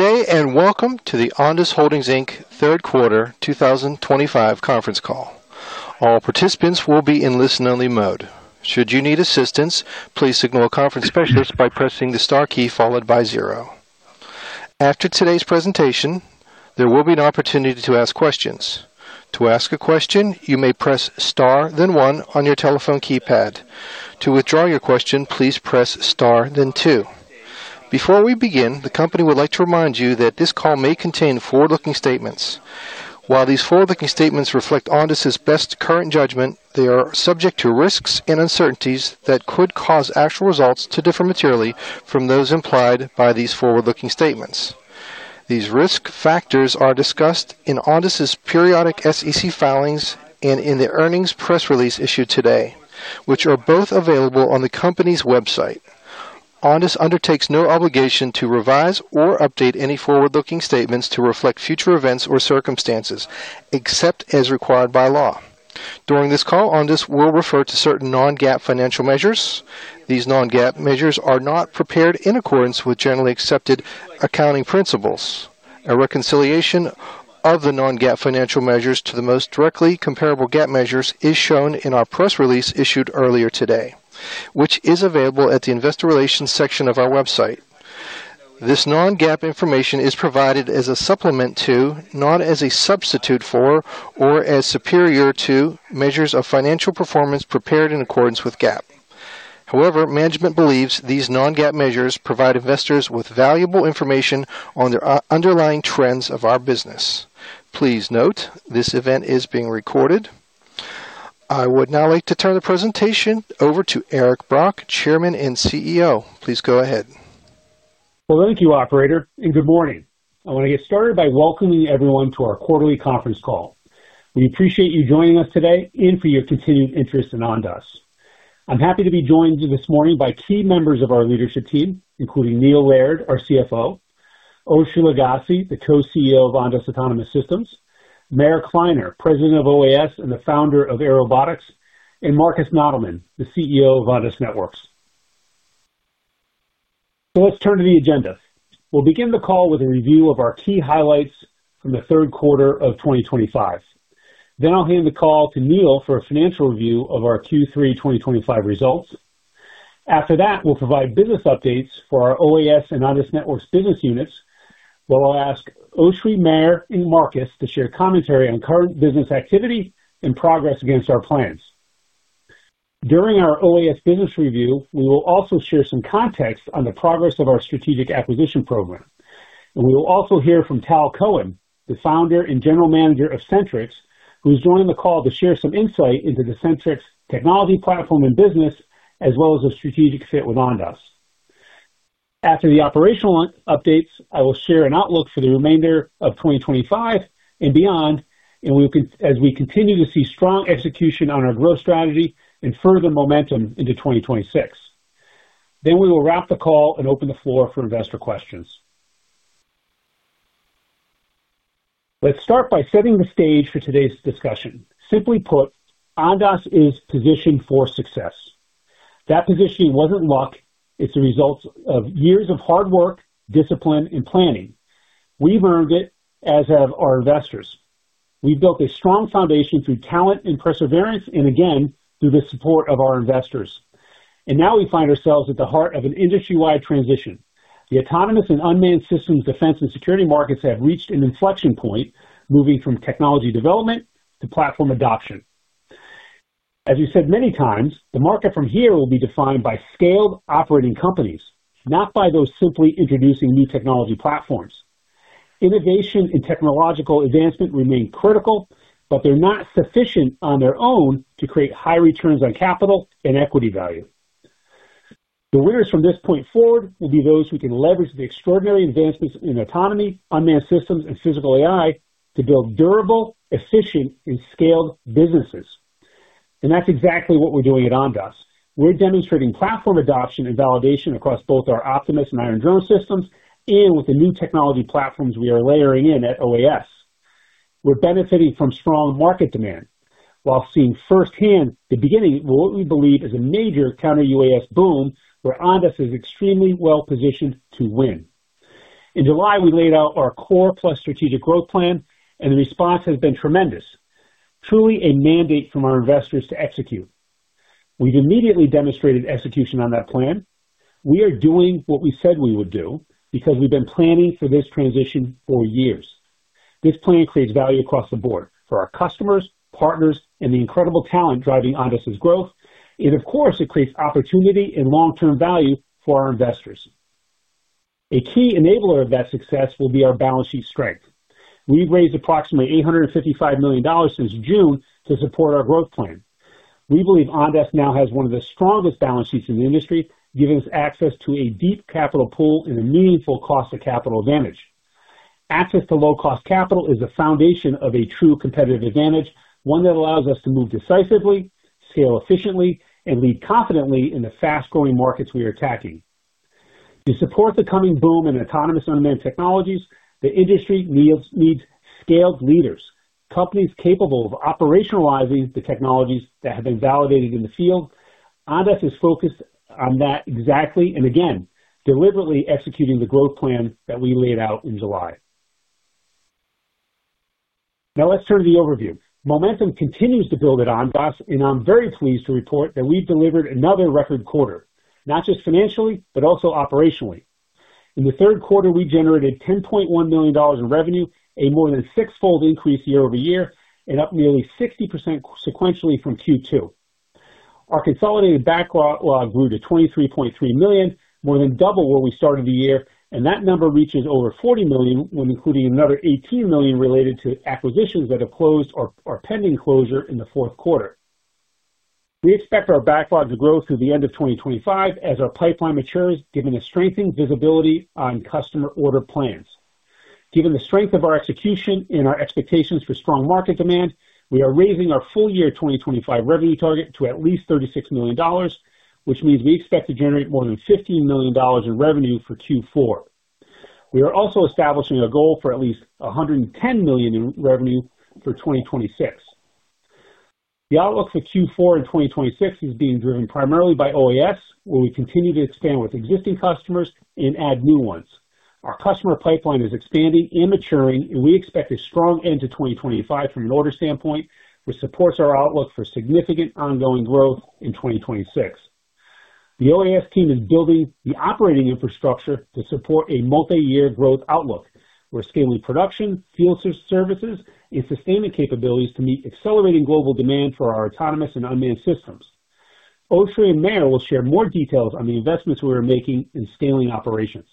Today, and welcome to the Ondas Holdings Third Quarter 2025 conference call. All participants will be in listen-only mode. Should you need assistance, please signal a conference specialist by pressing the star key followed by zero. After today's presentation, there will be an opportunity to ask questions. To ask a question, you may press star, then one on your telephone keypad. To withdraw your question, please press star, then two. Before we begin, the company would like to remind you that this call may contain forward-looking statements. While these forward-looking statements reflect Ondas's best current judgment, they are subject to risks and uncertainties that could cause actual results to differ materially from those implied by these forward-looking statements. These risk factors are discussed in Ondas's periodic SEC filings and in the earnings press release issued today, which are both available on the company's website. Ondas undertakes no obligation to revise or update any forward-looking statements to reflect future events or circumstances, except as required by law. During this call, Ondas will refer to certain non-GAAP financial measures. These non-GAAP measures are not prepared in accordance with generally accepted accounting principles. A reconciliation of the non-GAAP financial measures to the most directly comparable GAAP measures is shown in our press release issued earlier today, which is available at the investor relations section of our website. This non-GAAP information is provided as a supplement to, not as a substitute for, or as superior to measures of financial performance prepared in accordance with GAAP. However, management believes these non-GAAP measures provide investors with valuable information on the underlying trends of our business. Please note, this event is being recorded. I would now like to turn the presentation over to Eric Brock, Chairman and CEO. Please go ahead. Thank you, Operator, and good morning. I want to get started by welcoming everyone to our quarterly conference call. We appreciate you joining us today and for your continued interest in Ondas. I'm happy to be joined this morning by key members of our leadership team, including Neil Laird, our CFO; Oshri Lugassy, the Co-CEO of Ondas Autonomous Systems; Meir Kliner, President of OAS and the founder of Airobotics; and Markus Nottelman, the CEO of Ondas Networks. Let's turn to the agenda. We'll begin the call with a review of our key highlights from the third quarter of 2025. I'll hand the call to Neil for a financial review of our Q3 2025 results. After that, we'll provide business updates for our OAS and Ondas Networks business units, while I'll ask Oshri, Meir, and Markus to share commentary on current business activity and progress against our plans. During our OAS business review, we will also share some context on the progress of our strategic acquisition program. We will also hear from Tal Cohen, the founder and general manager of Sentrycs, who is joining the call to share some insight into the Sentrycs technology platform and business, as well as a strategic fit with Ondas. After the operational updates, I will share an outlook for the remainder of 2025 and beyond, as we continue to see strong execution on our growth strategy and further momentum into 2026. We will wrap the call and open the floor for investor questions. Let's start by setting the stage for today's discussion. Simply put, Ondas is positioned for success. That positioning wasn't luck. It's the result of years of hard work, discipline, and planning. We've earned it, as have our investors. have built a strong foundation through talent and perseverance, and again, through the support of our investors. Now we find ourselves at the heart of an industry-wide transition. The autonomous and unmanned systems defense and security markets have reached an inflection point, moving from technology development to platform adoption. As we have said many times, the market from here will be defined by scaled operating companies, not by those simply introducing new technology platforms. Innovation and technological advancement remain critical, but they are not sufficient on their own to create high returns on capital and equity value. The winners from this point forward will be those who can leverage the extraordinary advancements in autonomy, unmanned systems, and physical AI to build durable, efficient, and scaled businesses. That is exactly what we are doing at Ondas. We're demonstrating platform adoption and validation across both our Optimus and Iron Drone systems, and with the new technology platforms we are layering in at OAS. We're benefiting from strong market demand while seeing firsthand the beginning of what we believe is a major counter-UAS boom where Ondas is extremely well positioned to win. In July, we laid out our core plus strategic growth plan, and the response has been tremendous. Truly a mandate from our investors to execute. We've immediately demonstrated execution on that plan. We are doing what we said we would do because we've been planning for this transition for years. This plan creates value across the board for our customers, partners, and the incredible talent driving Ondas's growth. It creates opportunity and long-term value for our investors. A key enabler of that success will be our balance sheet strength. We've raised approximately $855 million since June to support our growth plan. We believe Ondas now has one of the strongest balance sheets in the industry, giving us access to a deep capital pool and a meaningful cost of capital advantage. Access to low-cost capital is the foundation of a true competitive advantage, one that allows us to move decisively, scale efficiently, and lead confidently in the fast-growing markets we are attacking. To support the coming boom in autonomous unmanned technologies, the industry needs scaled leaders, companies capable of operationalizing the technologies that have been validated in the field. Ondas is focused on that exactly, and again, deliberately executing the growth plan that we laid out in July. Now let's turn to the overview. Momentum continues to build at Ondas, and I'm very pleased to report that we've delivered another record quarter, not just financially, but also operationally. In the third quarter, we generated $10.1 million in revenue, a more than six-fold increase year over year, and up nearly 60% sequentially from Q2. Our consolidated backlog grew to $23.3 million, more than double where we started the year, and that number reaches over $40 million, including another $18 million related to acquisitions that have closed or are pending closure in the fourth quarter. We expect our backlog to grow through the end of 2025 as our pipeline matures, given the strengthened visibility on customer order plans. Given the strength of our execution and our expectations for strong market demand, we are raising our full-year 2025 revenue target to at least $36 million, which means we expect to generate more than $15 million in revenue for Q4. We are also establishing a goal for at least $110 million in revenue for 2026. The outlook for Q4 and 2026 is being driven primarily by OAS, where we continue to expand with existing customers and add new ones. Our customer pipeline is expanding and maturing, and we expect a strong end to 2025 from an order standpoint, which supports our outlook for significant ongoing growth in 2026. The OAS team is building the operating infrastructure to support a multi-year growth outlook. We're scaling production, field services, and sustainment capabilities to meet accelerating global demand for our autonomous and unmanned systems. Oshri and Meir will share more details on the investments we are making in scaling operations.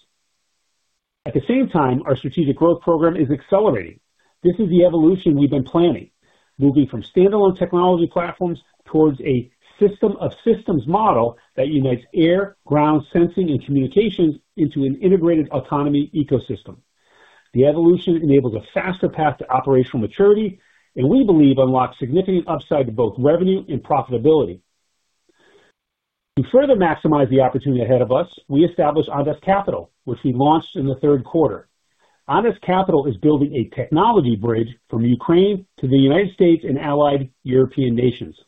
At the same time, our strategic growth program is accelerating. This is the evolution we've been planning, moving from standalone technology platforms towards a system of systems model that unites air, ground, sensing, and communications into an integrated autonomy ecosystem. The evolution enables a faster path to operational maturity, and we believe unlocks significant upside to both revenue and profitability. To further maximize the opportunity ahead of us, we established Ondas Capital, which we launched in the third quarter. Ondas Capital is building a technology bridge from Ukraine to the United States and allied European nations,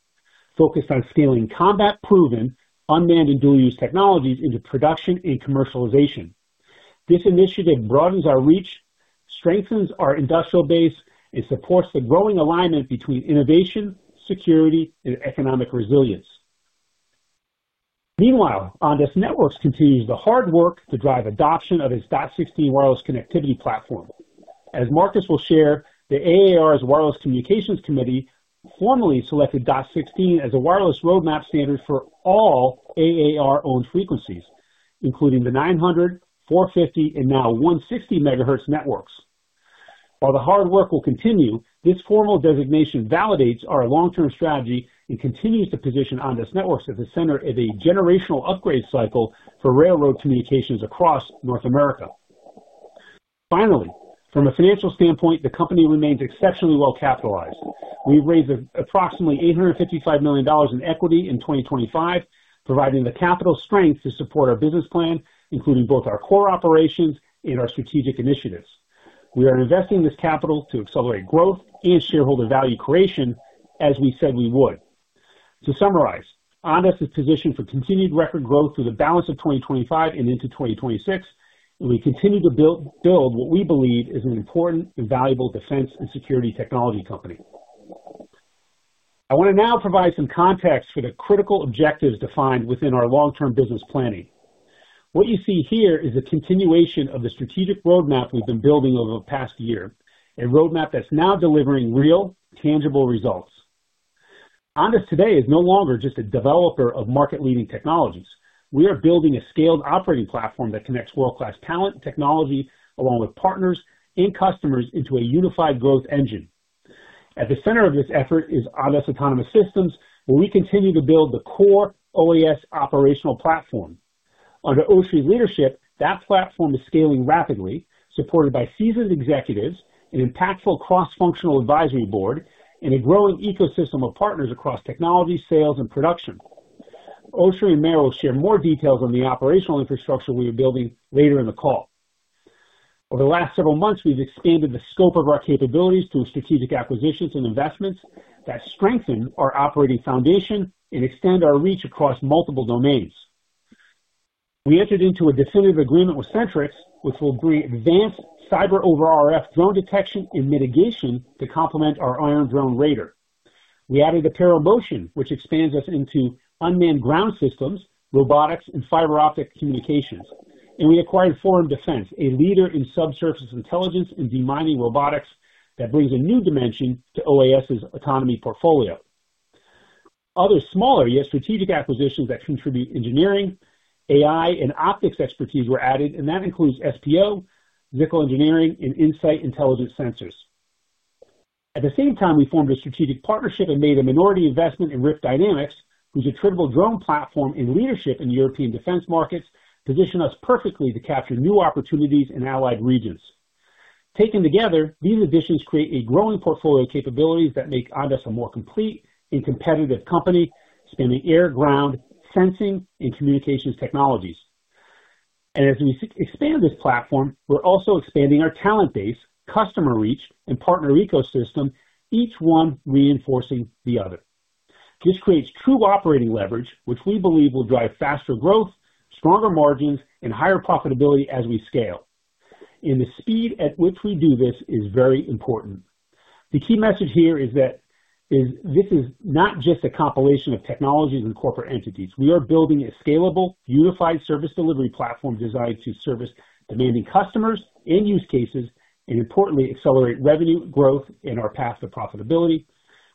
focused on scaling combat-proven unmanned and dual-use technologies into production and commercialization. This initiative broadens our reach, strengthens our industrial base, and supports the growing alignment between innovation, security, and economic resilience. Meanwhile, Ondas Networks continues the hard work to drive adoption of its DOT 16 wireless connectivity platform. As Markus will share, the AAR's Wireless Communications Committee formally selected DOT 16 as a wireless roadmap standard for all AAR-owned frequencies, including the 900, 450, and now 160 MHz networks. While the hard work will continue, this formal designation validates our long-term strategy and continues to position Ondas Networks at the center of a generational upgrade cycle for railroad communications across North America. Finally, from a financial standpoint, the company remains exceptionally well capitalized. We've raised approximately $855 million in equity in 2025, providing the capital strength to support our business plan, including both our core operations and our strategic initiatives. We are investing this capital to accelerate growth and shareholder value creation, as we said we would. To summarize, Ondas is positioned for continued record growth through the balance of 2025 and into 2026, and we continue to build what we believe is an important and valuable defense and security technology company. I want to now provide some context for the critical objectives defined within our long-term business planning. What you see here is a continuation of the strategic roadmap we've been building over the past year, a roadmap that's now delivering real, tangible results. Ondas today is no longer just a developer of market-leading technologies. We are building a scaled operating platform that connects world-class talent and technology, along with partners and customers, into a unified growth engine. At the center of this effort is Ondas Autonomous Systems, where we continue to build the core OAS operational platform. Under Oshri's leadership, that platform is scaling rapidly, supported by seasoned executives, an impactful cross-functional advisory board, and a growing ecosystem of partners across technology, sales, and production. Oshri and Meir will share more details on the operational infrastructure we are building later in the call. Over the last several months, we've expanded the scope of our capabilities through strategic acquisitions and investments that strengthen our operating foundation and extend our reach across multiple domains. We entered into a definitive agreement with Sentrycs, which will bring advanced Cyber-over-RF drone detection and mitigation to complement our Iron Drone radar. We added Pero Motion, which expands us into unmanned ground systems, robotics, and fiber optic communications. We acquired Forum Defense, a leader in subsurface intelligence and demining robotics that brings a new dimension to OAS's autonomy portfolio. Other smaller yet strategic acquisitions that contribute engineering, AI, and optics expertise were added, and that includes SPO, Zickel Engineering, and Insight Intelligence Sensors. At the same time, we formed a strategic partnership and made a minority investment in Rift Dynamics, whose attributable drone platform and leadership in European defense markets position us perfectly to capture new opportunities in allied regions. Taken together, these additions create a growing portfolio of capabilities that make Ondas a more complete and competitive company, spanning air, ground, sensing, and communications technologies. As we expand this platform, we're also expanding our talent base, customer reach, and partner ecosystem, each one reinforcing the other. This creates true operating leverage, which we believe will drive faster growth, stronger margins, and higher profitability as we scale. The speed at which we do this is very important. The key message here is that this is not just a compilation of technologies and corporate entities. We are building a scalable, unified service delivery platform designed to service demanding customers and use cases, and importantly, accelerate revenue, growth, and our path to profitability.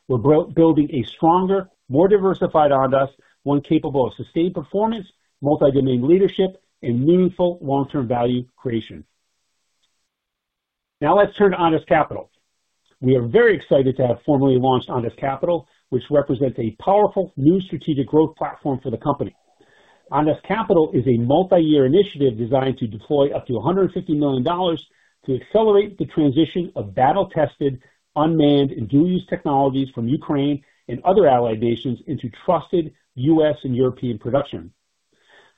We're building a stronger, more diversified Ondas, one capable of sustained performance, multi-domain leadership, and meaningful long-term value creation. Now let's turn to Ondas Capital. We are very excited to have formally launched Ondas Capital, which represents a powerful new strategic growth platform for the company. Ondas Capital is a multi-year initiative designed to deploy up to $150 million to accelerate the transition of battle-tested, unmanned, and dual-use technologies from Ukraine and other allied nations into trusted U.S. and European production.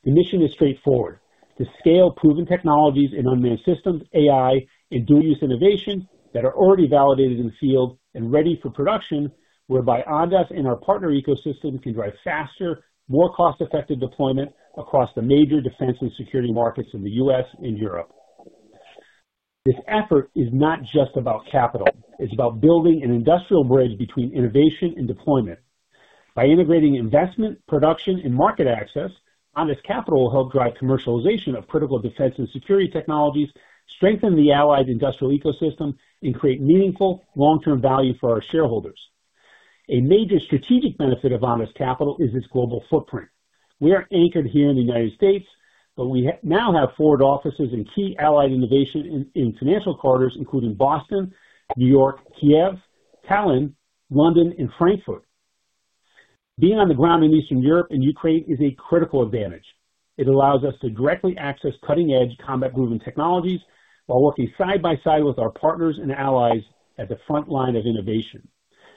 The mission is straightforward: to scale proven technologies and unmanned systems, AI, and dual-use innovation that are already validated in the field and ready for production, whereby Ondas and our partner ecosystem can drive faster, more cost-effective deployment across the major defense and security markets in the U.S. and Europe. This effort is not just about capital. It is about building an industrial bridge between innovation and deployment. By integrating investment, production, and market access, Ondas Capital will help drive commercialization of critical defense and security technologies, strengthen the allied industrial ecosystem, and create meaningful long-term value for our shareholders. A major strategic benefit of Ondas Capital is its global footprint. We are anchored here in the United States, but we now have forward offices and key allied innovation in financial quarters, including Boston, New York, Kiev, Tallinn, London, and Frankfurt. Being on the ground in Eastern Europe and Ukraine is a critical advantage. It allows us to directly access cutting-edge combat-proven technologies while working side by side with our partners and allies at the front line of innovation.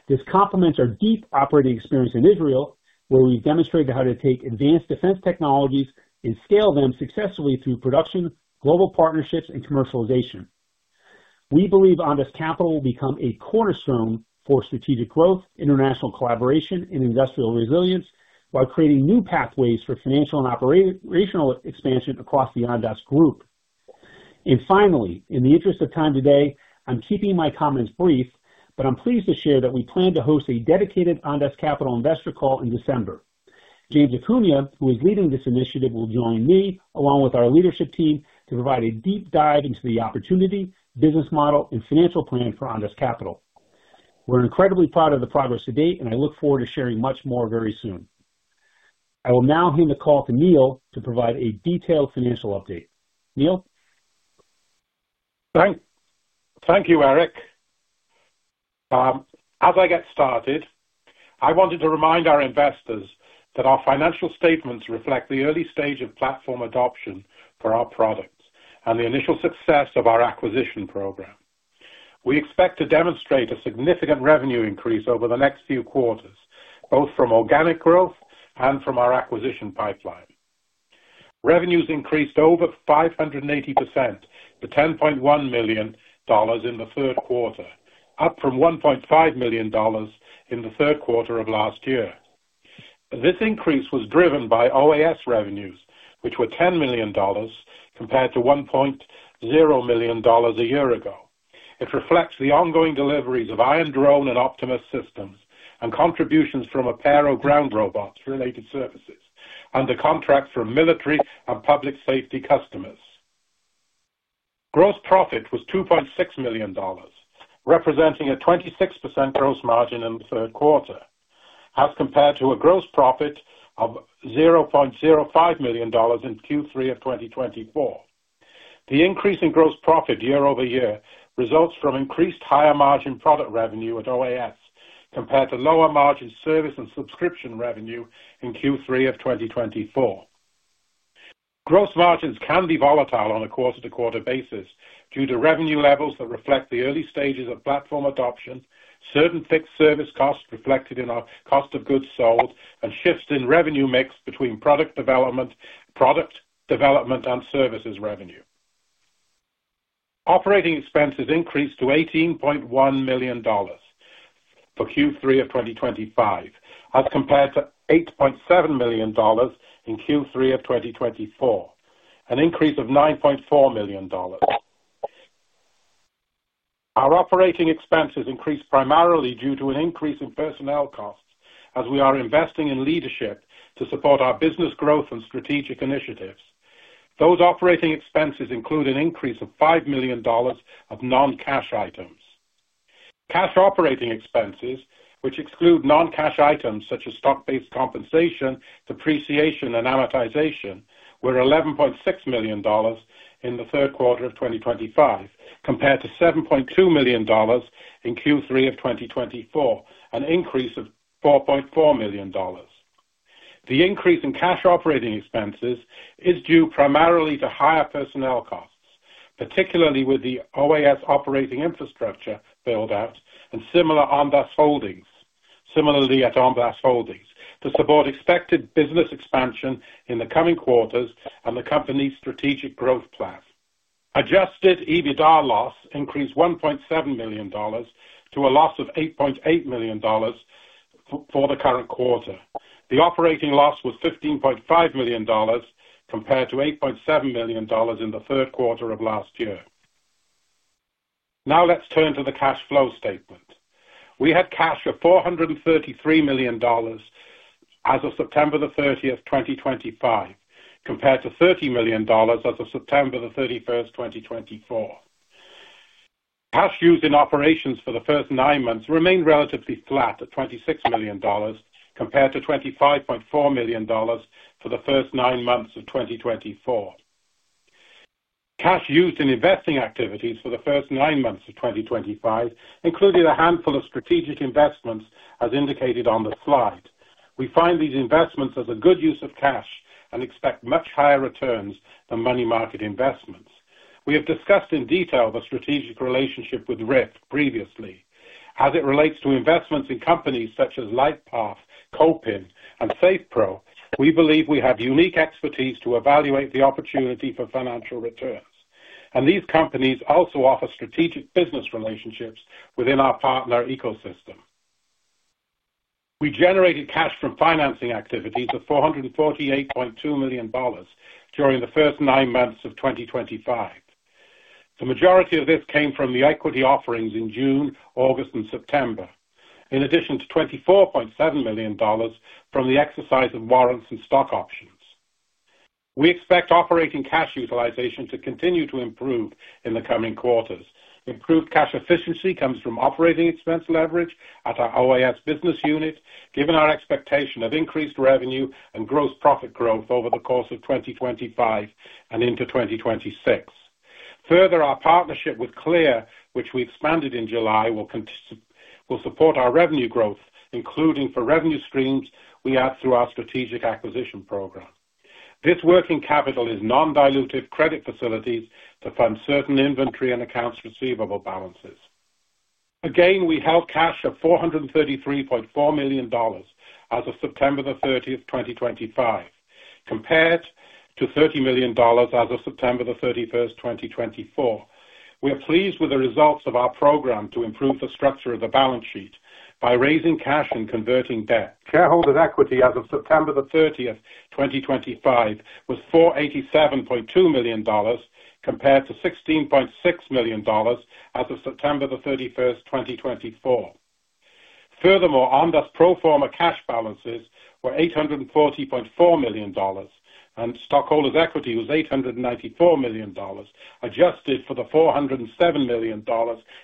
This complements our deep operating experience in Israel, where we've demonstrated how to take advanced defense technologies and scale them successfully through production, global partnerships, and commercialization. We believe Ondas Capital will become a cornerstone for strategic growth, international collaboration, and industrial resilience while creating new pathways for financial and operational expansion across the Ondas group. In the interest of time today, I'm keeping my comments brief, but I'm pleased to share that we plan to host a dedicated Ondas Capital investor call in December. James Acuna, who is leading this initiative, will join me along with our leadership team to provide a deep dive into the opportunity, business model, and financial plan for Ondas Capital. We're incredibly proud of the progress to date, and I look forward to sharing much more very soon. I will now hand the call to Neil to provide a detailed financial update. Neil? Thank you, Eric. As I get started, I wanted to remind our investors that our financial statements reflect the early stage of platform adoption for our products and the initial success of our acquisition program. We expect to demonstrate a significant revenue increase over the next few quarters, both from organic growth and from our acquisition pipeline. Revenues increased over 580% to $10.1 million in the third quarter, up from $1.5 million in the third quarter of last year. This increase was driven by OAS revenues, which were $10 million compared to $1.0 million a year ago. It reflects the ongoing deliveries of Iron Drone and Optimus systems and contributions from Apero Ground Robots related services under contracts from military and public safety customers. Gross profit was $2.6 million, representing a 26% gross margin in the third quarter, as compared to a gross profit of $0.05 million in Q3 of 2024. The increase in gross profit year over year results from increased higher margin product revenue at OAS compared to lower margin service and subscription revenue in Q3 of 2024. Gross margins can be volatile on a quarter-to-quarter basis due to revenue levels that reflect the early stages of platform adoption, certain fixed service costs reflected in our cost of goods sold, and shifts in revenue mix between product development and services revenue. Operating expenses increased to $18.1 million for Q3 of 2025, as compared to $8.7 million in Q3 of 2024, an increase of $9.4 million. Our operating expenses increased primarily due to an increase in personnel costs as we are investing in leadership to support our business growth and strategic initiatives. Those operating expenses include an increase of $5 million of non-cash items. Cash operating expenses, which exclude non-cash items such as stock-based compensation, depreciation, and amortization, were $11.6 million in the third quarter of 2025, compared to $7.2 million in Q3 of 2024, an increase of $4.4 million. The increase in cash operating expenses is due primarily to higher personnel costs, particularly with the OAS operating infrastructure build-out and similar Ondas Holdings to support expected business expansion in the coming quarters and the company's strategic growth plan. Adjusted EBITDA loss increased $1.7 million to a loss of $8.8 million for the current quarter. The operating loss was $15.5 million compared to $8.7 million in the third quarter of last year. Now let's turn to the cash flow statement. We had cash of $43.3 million as of September 30, 2025, compared to $30 million as of September 30, 2024. Cash used in operations for the first nine months remained relatively flat at $26 million compared to $25.4 million for the first nine months of 2024. Cash used in investing activities for the first nine months of 2025 included a handful of strategic investments as indicated on the slide. We find these investments as a good use of cash and expect much higher returns than money market investments. We have discussed in detail the strategic relationship with Rift previously. As it relates to investments in companies such as Lightpath, Copin, and Safepro, we believe we have unique expertise to evaluate the opportunity for financial returns. These companies also offer strategic business relationships within our partner ecosystem. We generated cash from financing activities of $448.2 million during the first nine months of 2025. The majority of this came from the equity offerings in June, August, and September, in addition to $24.7 million from the exercise of warrants and stock options. We expect operating cash utilization to continue to improve in the coming quarters. Improved cash efficiency comes from operating expense leverage at our OAS business unit, given our expectation of increased revenue and gross profit growth over the course of 2025 and into 2026. Further, our partnership with Clear, which we expanded in July, will support our revenue growth, including for revenue streams we add through our strategic acquisition program. This working capital is non-dilutive credit facilities to fund certain inventory and accounts receivable balances. Again, we held cash of $433.4 million as of September 30, 2025, compared to $30 million as of September 30, 2024. We are pleased with the results of our program to improve the structure of the balance sheet by raising cash and converting debt. Shareholders' equity as of September 30, 2025, was $487.2 million compared to $16.6 million as of September 30, 2024. Furthermore, Ondas pro forma cash balances were $840.4 million, and stockholders' equity was $894 million, adjusted for the $407 million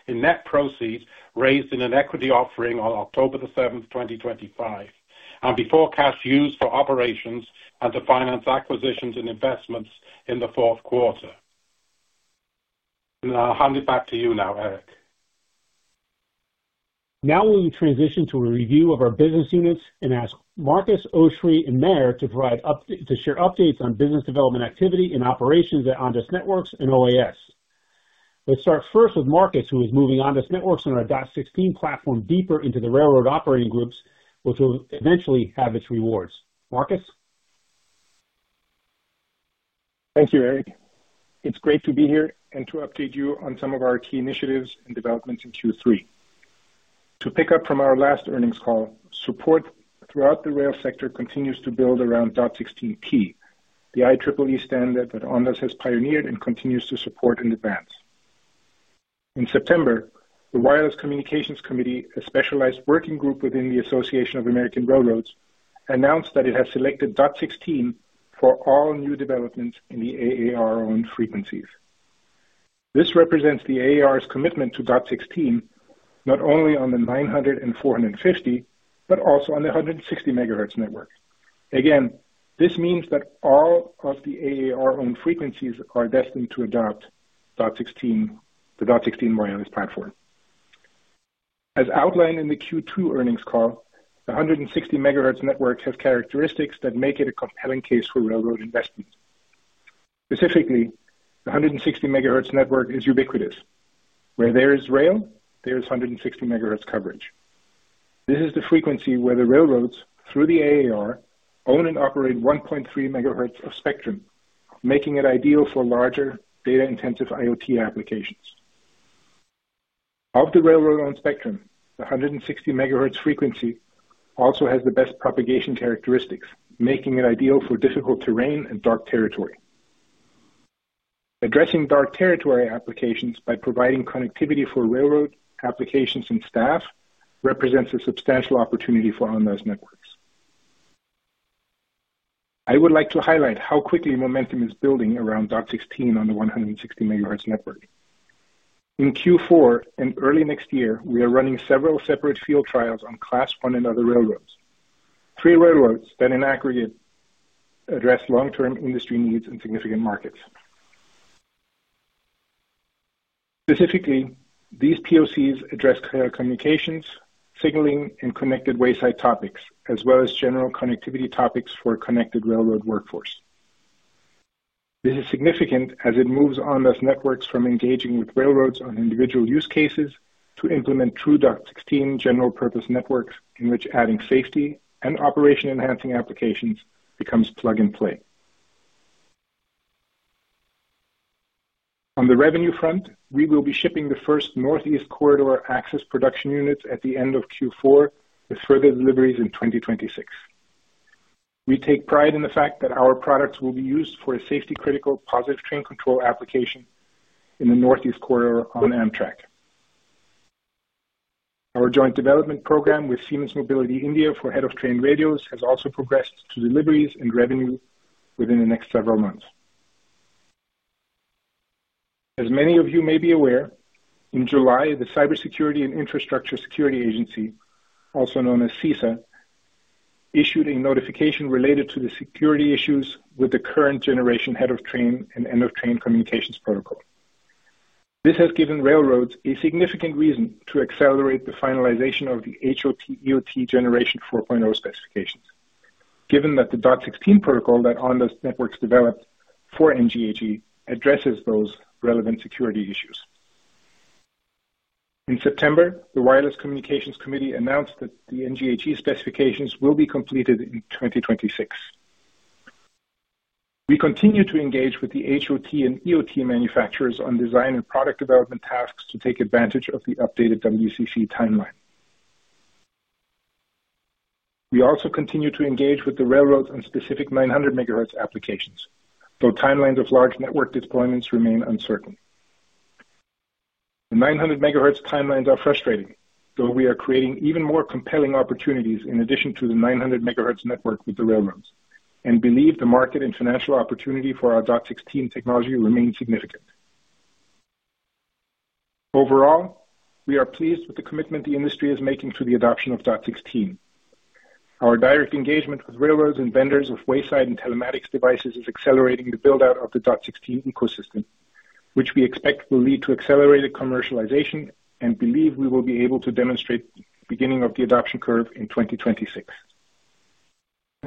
in net proceeds raised in an equity offering on October 7, 2025, and before cash used for operations and to finance acquisitions and investments in the fourth quarter. I'll hand it back to you now, Eric. Now we'll transition to a review of our business units and ask Markus, Oshri, and Meir to share updates on business development activity and operations at Ondas Networks and OAS. Let's start first with Markus, who is moving Ondas Networks and our DOT 16 platform deeper into the railroad operating groups, which will eventually have its rewards. Markus? Thank you, Eric. It's great to be here and to update you on some of our key initiatives and developments in Q3. To pick up from our last earnings call, support throughout the rail sector continues to build around DOT 16P, the IEEE standard that Ondas has pioneered and continues to support in advance. In September, the Wireless Communications Committee, a specialized working group within the Association of American Railroads, announced that it has selected DOT 16 for all new developments in the AAR-owned frequencies. This represents the AAR's commitment to DOT 16, not only on the 900 and 450, but also on the 160 MHz network. Again, this means that all of the AAR-owned frequencies are destined to adopt the DOT 16 wireless platform. As outlined in the Q2 earnings call, the 160 MHz network has characteristics that make it a compelling case for railroad investment. Specifically, the 160 MHz network is ubiquitous. Where there is rail, there is 160 MHz coverage. This is the frequency where the railroads, through the AAR, own and operate 1.3 MHz of spectrum, making it ideal for larger, data-intensive IoT applications. Of the railroad-owned spectrum, the 160 MHz frequency also has the best propagation characteristics, making it ideal for difficult terrain and dark territory. Addressing dark territory applications by providing connectivity for railroad applications and staff represents a substantial opportunity for Ondas Networks. I would like to highlight how quickly momentum is building around DOT 16 on the 160 MHz network. In Q4 and early next year, we are running several separate field trials on Class 1 and other railroads, three railroads that in aggregate address long-term industry needs and significant markets. Specifically, these POCs address clear communications, signaling, and connected wayside topics, as well as general connectivity topics for a connected railroad workforce. This is significant as it moves Ondas Networks from engaging with railroads on individual use cases to implement true DOT 16 general-purpose networks, in which adding safety and operation-enhancing applications becomes plug-and-play. On the revenue front, we will be shipping the first Northeast Corridor access production units at the end of Q4, with further deliveries in 2026. We take pride in the fact that our products will be used for a safety-critical positive train control application in the Northeast Corridor on Amtrak. Our joint development program with Siemens Mobility India for head-of-train radios has also progressed to deliveries and revenue within the next several months. As many of you may be aware, in July, the Cybersecurity and Infrastructure Security Agency, also known as CISA, issued a notification related to the security issues with the current-generation head-of-train and end-of-train communications protocol. This has given railroads a significant reason to accelerate the finalization of the HOT-EOT Generation 4.0 specifications, given that the DOT 16 protocol that Ondas Networks developed for NGHE addresses those relevant security issues. In September, the Wireless Communications Committee announced that the NGHE specifications will be completed in 2026. We continue to engage with the HOT and EOT manufacturers on design and product development tasks to take advantage of the updated WCC timeline. We also continue to engage with the railroads on specific 900 MHz applications, though timelines of large network deployments remain uncertain. The 900 MHz timelines are frustrating, though we are creating even more compelling opportunities in addition to the 900 MHz network with the railroads, and believe the market and financial opportunity for our DOT 16 technology remains significant. Overall, we are pleased with the commitment the industry is making to the adoption of DOT 16. Our direct engagement with railroads and vendors of wayside and telematics devices is accelerating the build-out of the DOT 16 ecosystem, which we expect will lead to accelerated commercialization and believe we will be able to demonstrate the beginning of the adoption curve in 2026.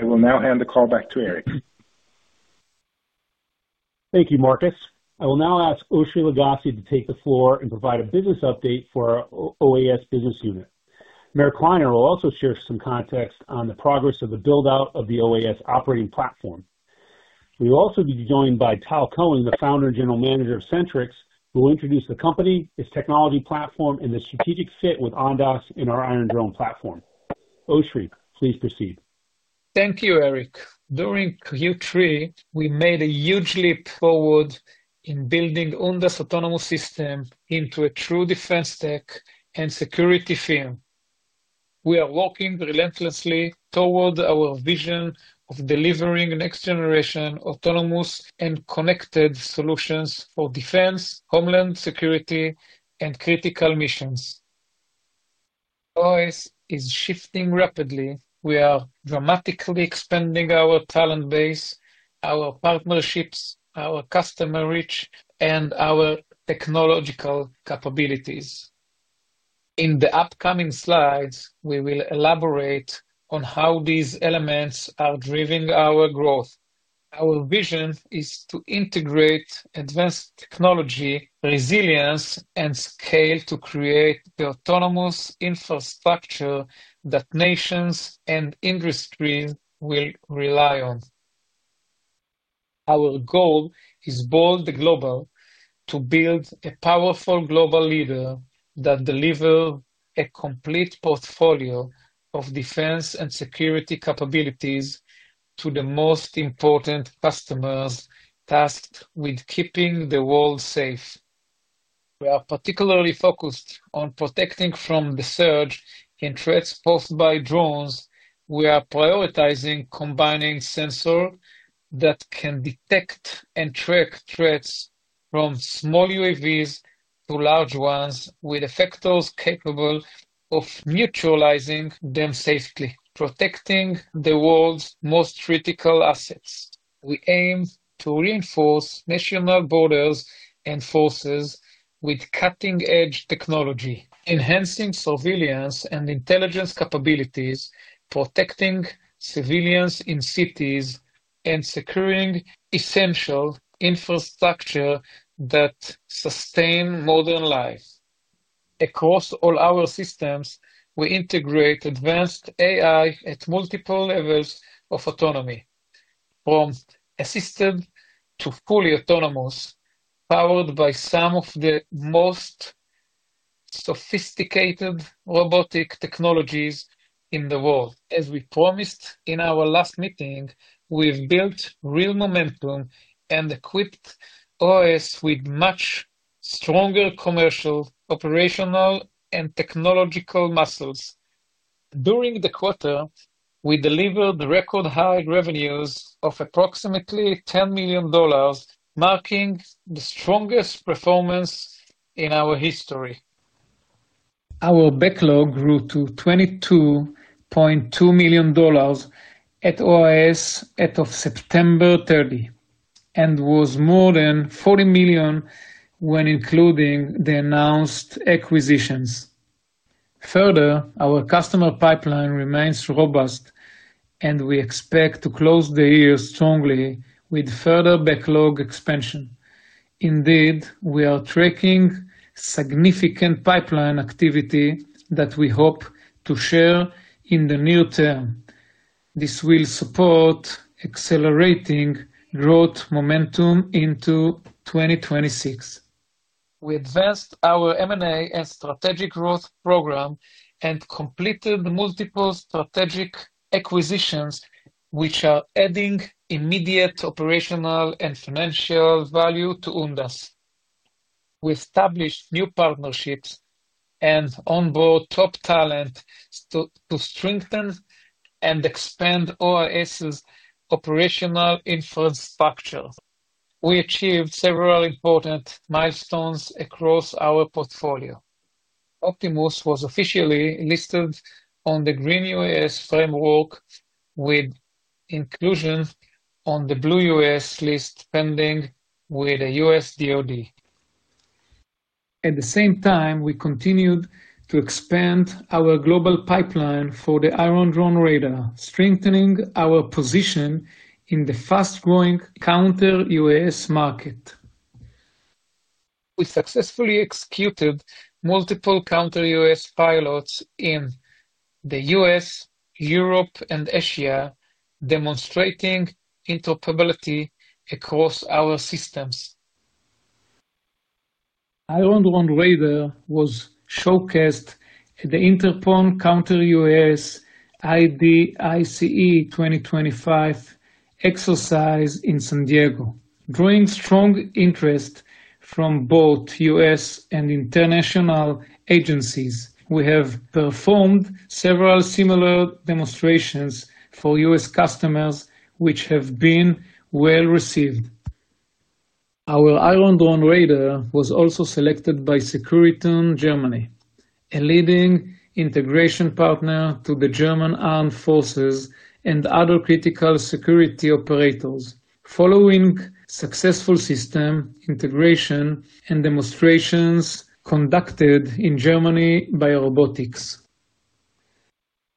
I will now hand the call back to Eric. Thank you, Markus. I will now ask Oshri Lugassy to take the floor and provide a business update for our OAS business unit. Meir Kliner will also share some context on the progress of the build-out of the OAS operating platform. We will also be joined by Tal Cohen, the founder and general manager of Sentrycs, who will introduce the company, its technology platform, and the strategic fit with Ondas in our Iron Drone platform. Oshri, please proceed. Thank you, Eric. During Q3, we made a huge leap forward in building Ondas' autonomous system into a true defense tech and security firm. We are walking relentlessly toward our vision of delivering next-generation autonomous and connected solutions for defense, homeland security, and critical missions. OAS is shifting rapidly. We are dramatically expanding our talent base, our partnerships, our customer reach, and our technological capabilities. In the upcoming slides, we will elaborate on how these elements are driving our growth. Our vision is to integrate advanced technology, resilience, and scale to create the autonomous infrastructure that nations and industries will rely on. Our goal is bold and global to build a powerful global leader that delivers a complete portfolio of defense and security capabilities to the most important customers tasked with keeping the world safe. We are particularly focused on protecting from the surge in threats posed by drones. We are prioritizing combining sensors that can detect and track threats from small UAVs to large ones with effectors capable of neutralizing them safely, protecting the world's most critical assets. We aim to reinforce national borders and forces with cutting-edge technology, enhancing civilians and intelligence capabilities, protecting civilians in cities, and securing essential infrastructure that sustains modern life. Across all our systems, we integrate advanced AI at multiple levels of autonomy, from assisted to fully autonomous, powered by some of the most sophisticated robotic technologies in the world. As we promised in our last meeting, we've built real momentum and equipped OAS with much stronger commercial, operational, and technological muscles. During the quarter, we delivered record-high revenues of approximately $10 million, marking the strongest performance in our history. Our backlog grew to $22.2 million at OAS as of September 30 and was more than $40 million when including the announced acquisitions. Further, our customer pipeline remains robust, and we expect to close the year strongly with further backlog expansion. Indeed, we are tracking significant pipeline activity that we hope to share in the near term. This will support accelerating growth momentum into 2026. We advanced our M&A and strategic growth program and completed multiple strategic acquisitions, which are adding immediate operational and financial value to Ondas. We established new partnerships and onboard top talent to strengthen and expand OAS's operational infrastructure. We achieved several important milestones across our portfolio. Optimus was officially listed on the Green UAS Framework, with inclusion on the Blue UAS list pending with a U.S. DOD. At the same time, we continued to expand our global pipeline for the Iron Drone radar, strengthening our position in the fast-growing counter-UAS market. We successfully executed multiple counter-UAS pilots in the U.S., Europe, and Asia, demonstrating interoperability across our systems. Iron Drone radar was showcased at the Interpon Counter-UAS ID ICE 2025 exercise in San Diego, drawing strong interest from both U.S. and international agencies. We have performed several similar demonstrations for U.S. customers, which have been well received. Our Iron Drone radar was also selected by Securiton, Germany, a leading integration partner to the German Armed Forces and other critical security operators, following successful system integration and demonstrations conducted in Germany by American Robotics.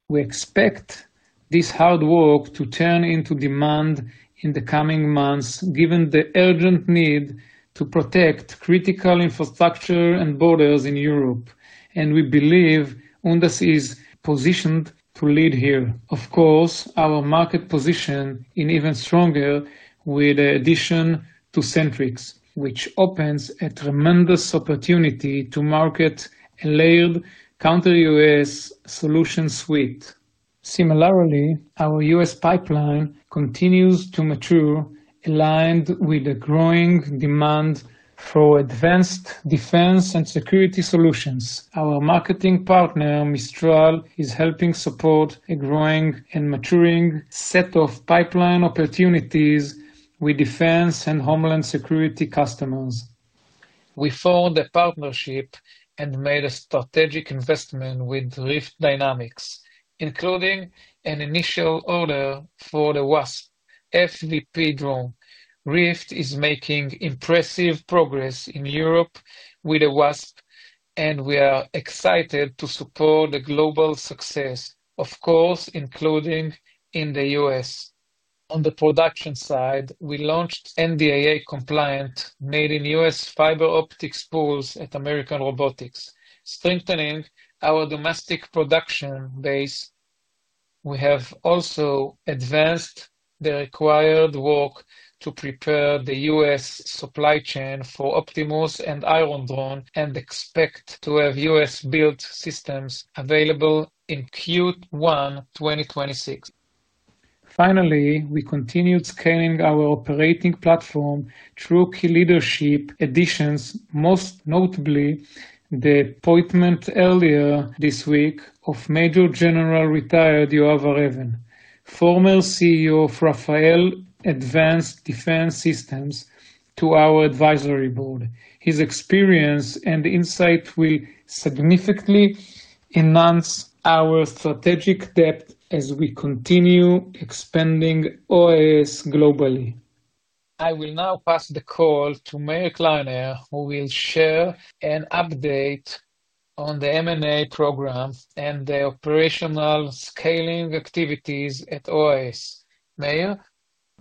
We expect this hard work to turn into demand in the coming months, given the urgent need to protect critical infrastructure and borders in Europe, and we believe Ondas is positioned to lead here. Of course, our market position is even stronger with the addition to Sentrycs, which opens a tremendous opportunity to market a layered counter-UAS solution suite. Similarly, our U.S. pipeline continues to mature, aligned with the growing demand for advanced defense and security solutions. Our marketing partner, Mistral, is helping support a growing and maturing set of pipeline opportunities with defense and homeland security customers. We formed a partnership and made a strategic investment with Rift Dynamics, including an initial order for the WASP FVP drone. Rift is making impressive progress in Europe with the WASP, and we are excited to support the global success, of course, including in the U.S. On the production side, we launched NDAA-compliant made-in-U.S. fiber optics pools at American Robotics, strengthening our domestic production base. We have also advanced the required work to prepare the U.S. supply chain for Optimus and Iron Drone and expect to have U.S.-built systems available in Q1 2026. Finally, we continued scaling our operating platform through key leadership additions, most notably the appointment earlier this week of Major General retired Yoav Reiven, former CEO of Rafael Advanced Defense Systems, to our advisory board. His experience and insight will significantly enhance our strategic depth as we continue expanding OAS globally. I will now pass the call to Meir Kliner, who will share an update on the M&A program and the operational scaling activities at OAS. Meir?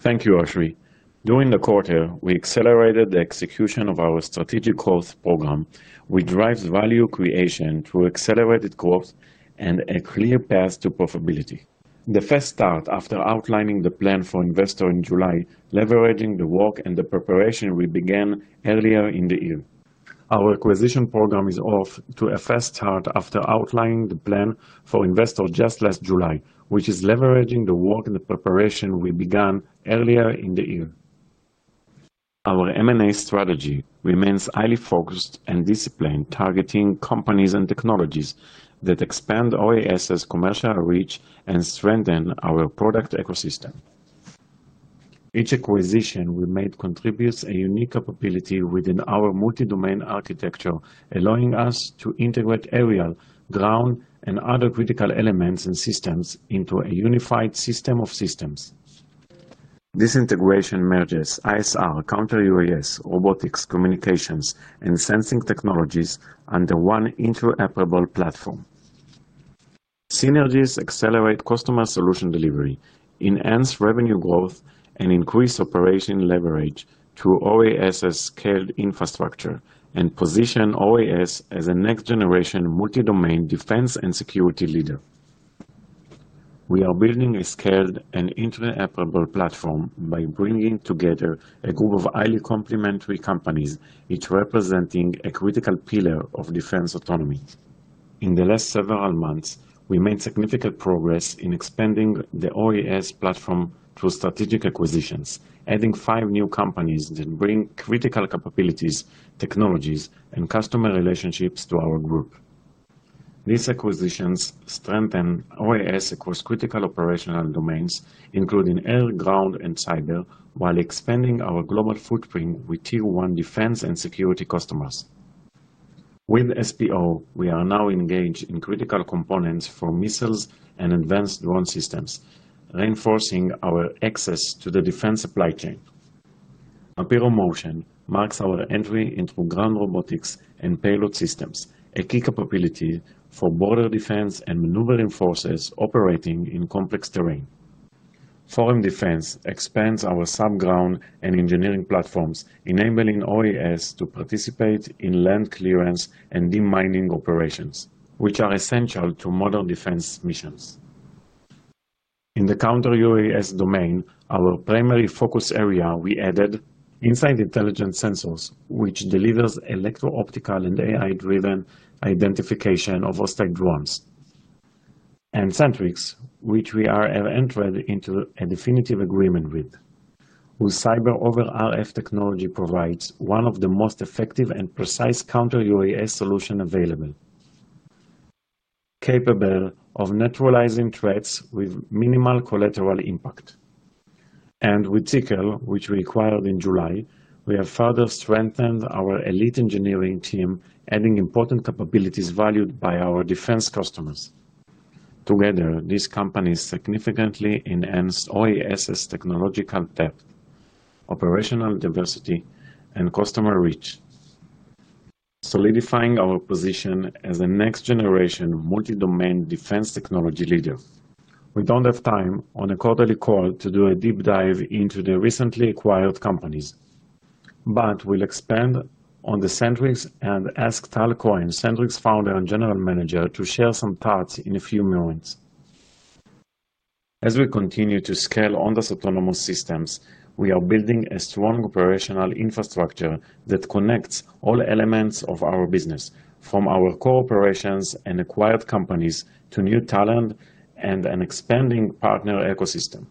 Thank you, Oshri. During the quarter, we accelerated the execution of our strategic growth program, which drives value creation through accelerated growth and a clear path to profitability. The first start after outlining the plan for investors in July, leveraging the work and the preparation we began earlier in the year. Our acquisition program is off to a fast start after outlining the plan for investors just last July, which is leveraging the work and the preparation we began earlier in the year. Our M&A strategy remains highly focused and disciplined, targeting companies and technologies that expand OAS's commercial reach and strengthen our product ecosystem. Each acquisition we made contributes a unique capability within our multi-domain architecture, allowing us to integrate aerial, ground, and other critical elements and systems into a unified system of systems. This integration merges ISR, counter-UAS, robotics, communications, and sensing technologies under one interoperable platform. Synergies accelerate customer solution delivery, enhance revenue growth, and increase operation leverage through OAS's scaled infrastructure and position OAS as a next-generation multi-domain defense and security leader. We are building a scaled and interoperable platform by bringing together a group of highly complementary companies, each representing a critical pillar of defense autonomy. In the last several months, we made significant progress in expanding the OAS platform through strategic acquisitions, adding five new companies that bring critical capabilities, technologies, and customer relationships to our group. These acquisitions strengthen OAS across critical operational domains, including air, ground, and cyber, while expanding our global footprint with Tier 1 defense and security customers. With SPO, we are now engaged in critical components for missiles and advanced drone systems, reinforcing our access to the defense supply chain. Apero Motion marks our entry into ground robotics and payload systems, a key capability for border defense and maneuvering forces operating in complex terrain. Forum Defense expands our subground and engineering platforms, enabling OAS to participate in land clearance and demining operations, which are essential to modern defense missions. In the counter-UAS domain, our primary focus area, we added Insight Intelligence Sensors, which delivers electro-optical and AI-driven identification of hostile drones, and Sentrycs, which we are entered into a definitive agreement with, whose Cyber-over-RF technology provides one of the most effective and precise counter-UAS solutions available, capable of neutralizing threats with minimal collateral impact. With Zickel, which we acquired in July, we have further strengthened our elite engineering team, adding important capabilities valued by our defense customers. Together, these companies significantly enhance OAS's technological depth, operational diversity, and customer reach, solidifying our position as a next-generation multi-domain defense technology leader. We don't have time on a quarterly call to do a deep dive into the recently acquired companies, but we'll expand on the Sentrycs and ask Tal Cohen, Sentrycs founder and general manager, to share some thoughts in a few moments. As we continue to scale Ondas Autonomous Systems, we are building a strong operational infrastructure that connects all elements of our business, from our cooperations and acquired companies to new talent and an expanding partner ecosystem.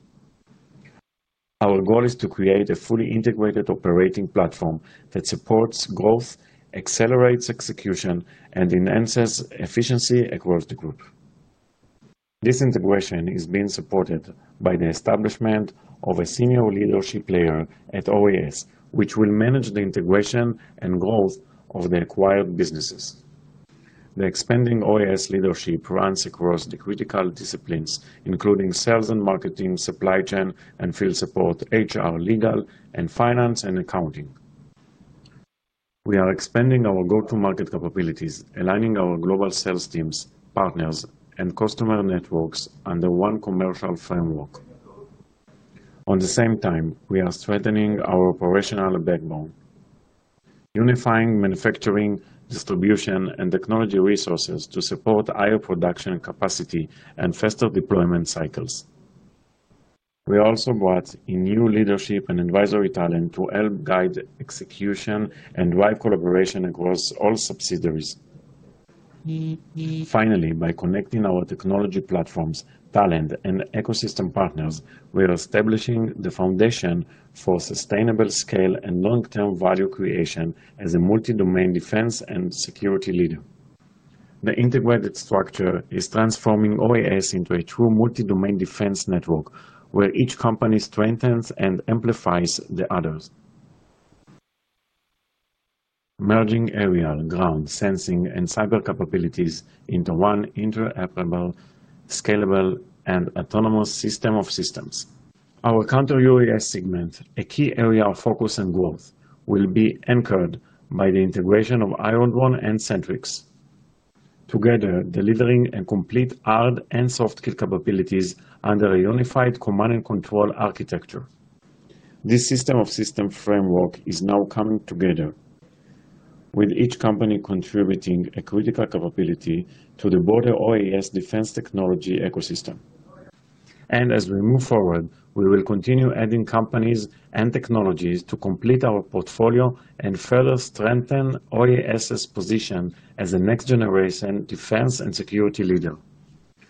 Our goal is to create a fully integrated operating platform that supports growth, accelerates execution, and enhances efficiency across the group. This integration is being supported by the establishment of a senior leadership layer at OAS, which will manage the integration and growth of the acquired businesses. The expanding OAS leadership runs across the critical disciplines, including sales and marketing, supply chain and field support, HR, legal, and finance and accounting. We are expanding our go-to-market capabilities, aligning our global sales teams, partners, and customer networks under one commercial framework. At the same time, we are strengthening our operational backbone, unifying manufacturing, distribution, and technology resources to support higher production capacity and faster deployment cycles. We also brought in new leadership and advisory talent to help guide execution and drive collaboration across all subsidiaries. Finally, by connecting our technology platforms, talent, and ecosystem partners, we are establishing the foundation for sustainable scale and long-term value creation as a multi-domain defense and security leader. The integrated structure is transforming OAS into a true multi-domain defense network, where each company strengthens and amplifies the others. Merging aerial, ground, sensing, and cyber capabilities into one interoperable, scalable, and autonomous system of systems. Our counter-UAS segment, a key area of focus and growth, will be anchored by the integration of Iron Drone and Sentrycs, together delivering a complete hard and soft capabilities under a unified command and control architecture. This system of system framework is now coming together, with each company contributing a critical capability to the broader OAS defense technology ecosystem. As we move forward, we will continue adding companies and technologies to complete our portfolio and further strengthen OAS's position as a next-generation defense and security leader.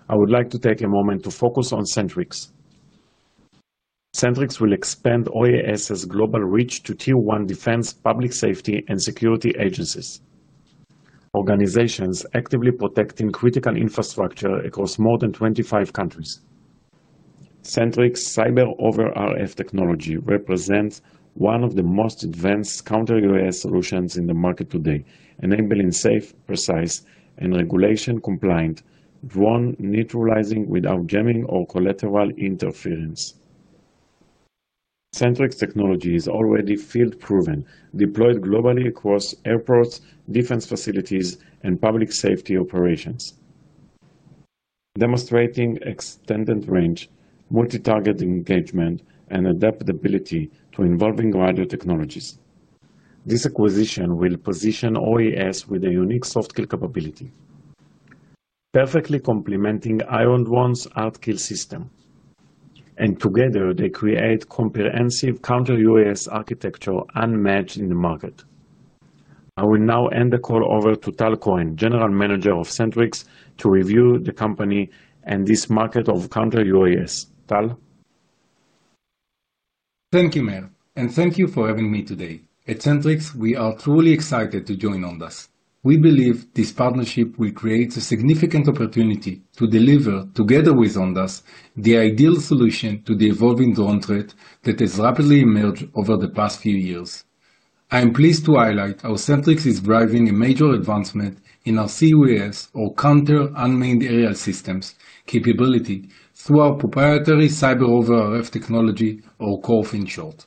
I would like to take a moment to focus on Sentrycs. Sentrycs will expand OAS's global reach to Tier 1 defense, public safety, and security agencies, organizations actively protecting critical infrastructure across more than 25 countries. Sentrycs Cyber-over-RF technology represents one of the most advanced counter-UAS solutions in the market today, enabling safe, precise, and regulation-compliant drone neutralizing without jamming or collateral interference. Sentrycs technology is already field-proven, deployed globally across airports, defense facilities, and public safety operations, demonstrating extended range, multi-target engagement, and adaptability to evolving radio technologies. This acquisition will position OAS with a unique soft kill capability, perfectly complementing Iron Drone's hard kill system, and together they create comprehensive counter-UAS architecture unmatched in the market. I will now hand the call over to Tal Cohen, General Manager of Sentrycs, to review the company and this market of counter-UAS. Tal? Thank you, Meir, and thank you for having me today. At Sentrycs, we are truly excited to join Ondas. We believe this partnership will create a significant opportunity to deliver, together with Ondas, the ideal solution to the evolving drone threat that has rapidly emerged over the past few years. I am pleased to highlight how Sentrycs is driving a major advancement in our CUAS, or counter-unmanned aerial systems, capability through our proprietary Cyber-over-RF technology, or CORF in short.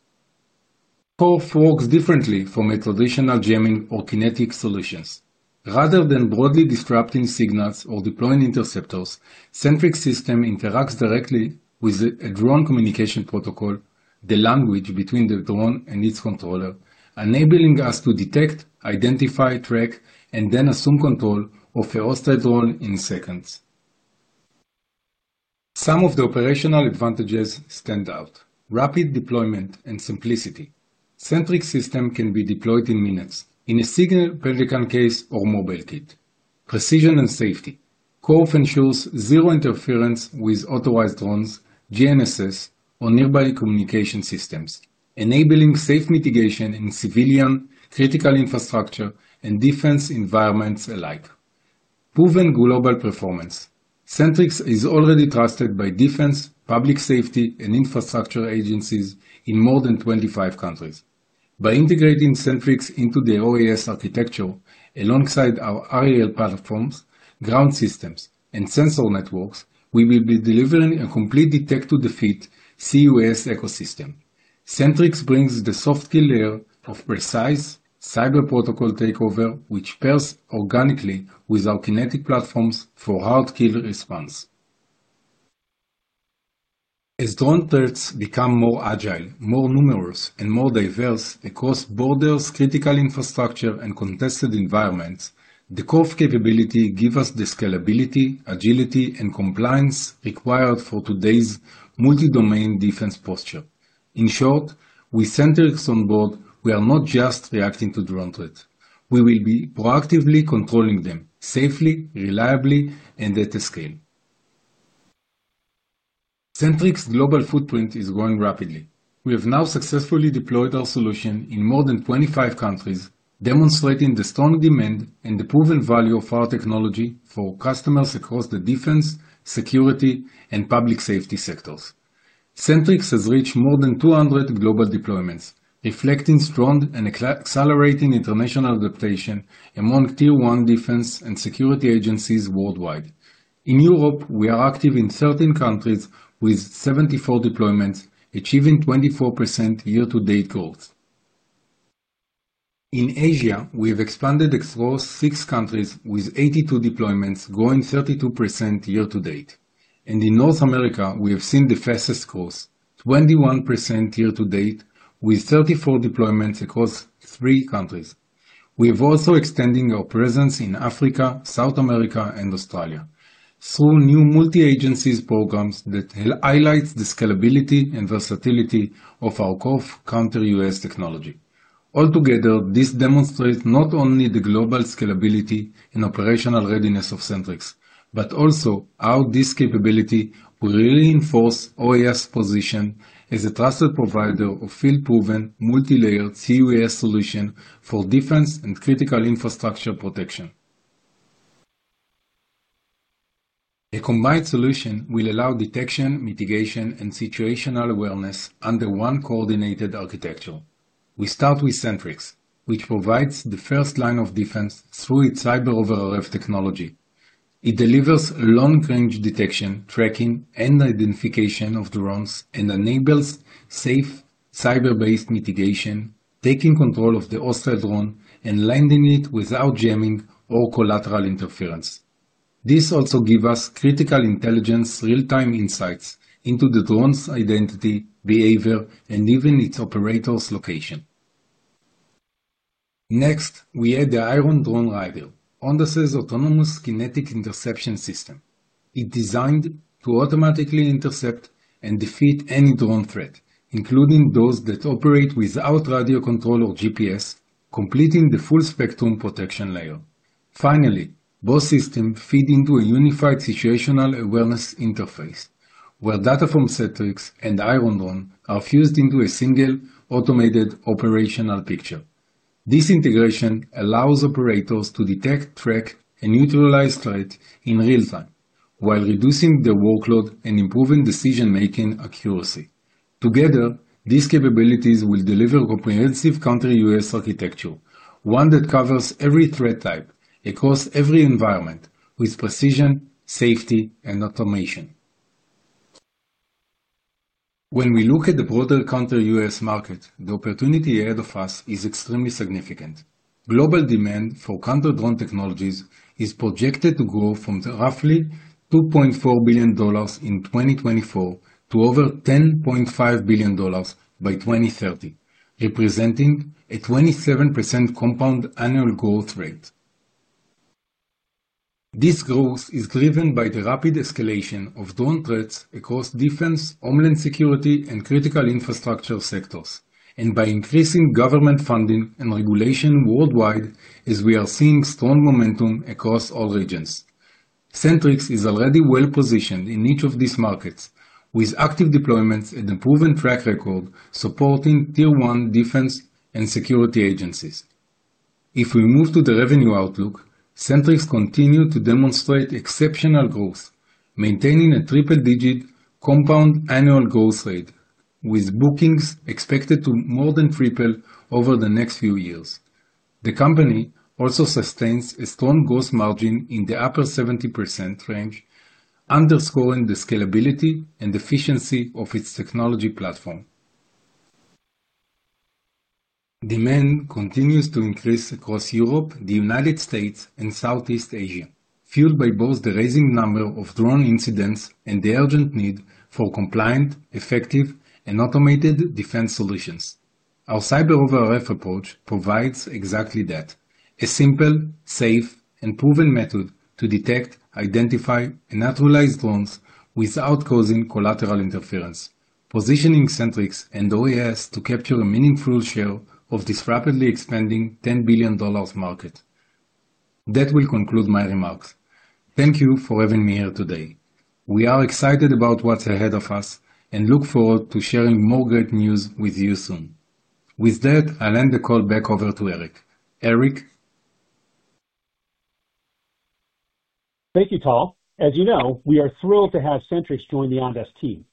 CORF works differently from traditional jamming or kinetic solutions. Rather than broadly disrupting signals or deploying interceptors, Sentrycs system interacts directly with a drone communication protocol, the language between the drone and its controller, enabling us to detect, identify, track, and then assume control of a hostile drone in seconds. Some of the operational advantages stand out: rapid deployment and simplicity. Sentrycs system can be deployed in minutes in a single Pelican case or mobile kit. Precision and safety. CORF ensures zero interference with authorized drones, GNSS, or nearby communication systems, enabling safe mitigation in civilian, critical infrastructure, and defense environments alike. Proven global performance. Sentrycs is already trusted by defense, public safety, and infrastructure agencies in more than 25 countries. By integrating Sentrycs into the OAS architecture alongside our aerial platforms, ground systems, and sensor networks, we will be delivering a complete detect-to-defeat CUAS ecosystem. Sentrycs brings the soft kill layer of precise cyber protocol takeover, which pairs organically with our kinetic platforms for hard kill response. As drone threats become more agile, more numerous, and more diverse across borders, critical infrastructure, and contested environments, the CORF capability gives us the scalability, agility, and compliance required for today's multi-domain defense posture. In short, with Sentrycs on board, we are not just reacting to drone threats. We will be proactively controlling them safely, reliably, and at a scale. Sentrycs global footprint is growing rapidly. We have now successfully deployed our solution in more than 25 countries, demonstrating the strong demand and the proven value of our technology for customers across the defense, security, and public safety sectors. Sentrycs has reached more than 200 global deployments, reflecting strong and accelerating international adaptation among Tier 1 defense and security agencies worldwide. In Europe, we are active in 13 countries with 74 deployments, achieving 24% year-to-date growth. In Asia, we have expanded across six countries with 82 deployments, growing 32% year-to-date. In North America, we have seen the fastest growth, 21% year-to-date, with 34 deployments across three countries. We are also extending our presence in Africa, South America, and Australia through new multi-agency programs that highlight the scalability and versatility of our CORF counter-UAS technology. Altogether, this demonstrates not only the global scalability and operational readiness of Sentrycs, but also how this capability will reinforce OAS position as a trusted provider of field-proven multi-layered CUAS solution for defense and critical infrastructure protection. A combined solution will allow detection, mitigation, and situational awareness under one coordinated architecture. We start with Sentrycs, which provides the first line of defense through its Cyber-over-RF technology. It delivers long-range detection, tracking, and identification of drones and enables safe cyber-based mitigation, taking control of the hostile drone and landing it without jamming or collateral interference. This also gives us critical intelligence, real-time insights into the drone's identity, behavior, and even its operator's location. Next, we add the Iron Drone Raider, Ondas's autonomous kinetic interception system. It's designed to automatically intercept and defeat any drone threat, including those that operate without radio control or GPS, completing the full spectrum protection layer. Finally, both systems feed into a unified situational awareness interface where data from Sentrycs and Iron Drone are fused into a single automated operational picture. This integration allows operators to detect, track, and neutralize threats in real-time, while reducing their workload and improving decision-making accuracy. Together, these capabilities will deliver comprehensive counter-UAS architecture, one that covers every threat type across every environment with precision, safety, and automation. When we look at the broader counter-UAS market, the opportunity ahead of us is extremely significant. Global demand for counter-drone technologies is projected to grow from roughly $2.4 billion in 2024 to over $10.5 billion by 2030, representing a 27% compound annual growth rate. This growth is driven by the rapid escalation of drone threats across defense, homeland security, and critical infrastructure sectors, and by increasing government funding and regulation worldwide as we are seeing strong momentum across all regions. Sentrycs is already well-positioned in each of these markets, with active deployments and a proven track record supporting Tier 1 defense and security agencies. If we move to the revenue outlook, Sentrycs continues to demonstrate exceptional growth, maintaining a triple-digit compound annual growth rate, with bookings expected to more than triple over the next few years. The company also sustains a strong gross margin in the upper 70% range, underscoring the scalability and efficiency of its technology platform. Demand continues to increase across Europe, the United States, and Southeast Asia, fueled by both the rising number of drone incidents and the urgent need for compliant, effective, and automated defense solutions. Our Cyber-over-RF approach provides exactly that: a simple, safe, and proven method to detect, identify, and neutralize drones without causing collateral interference, positioning Sentrycs and OAS to capture a meaningful share of this rapidly expanding $10 billion market. That will conclude my remarks. Thank you for having me here today. We are excited about what's ahead of us and look forward to sharing more great news with you soon. With that, I'll hand the call back over to Eric. Eric. Thank you, Tal. As you know, we are thrilled to have Sentrycs join the Ondas team.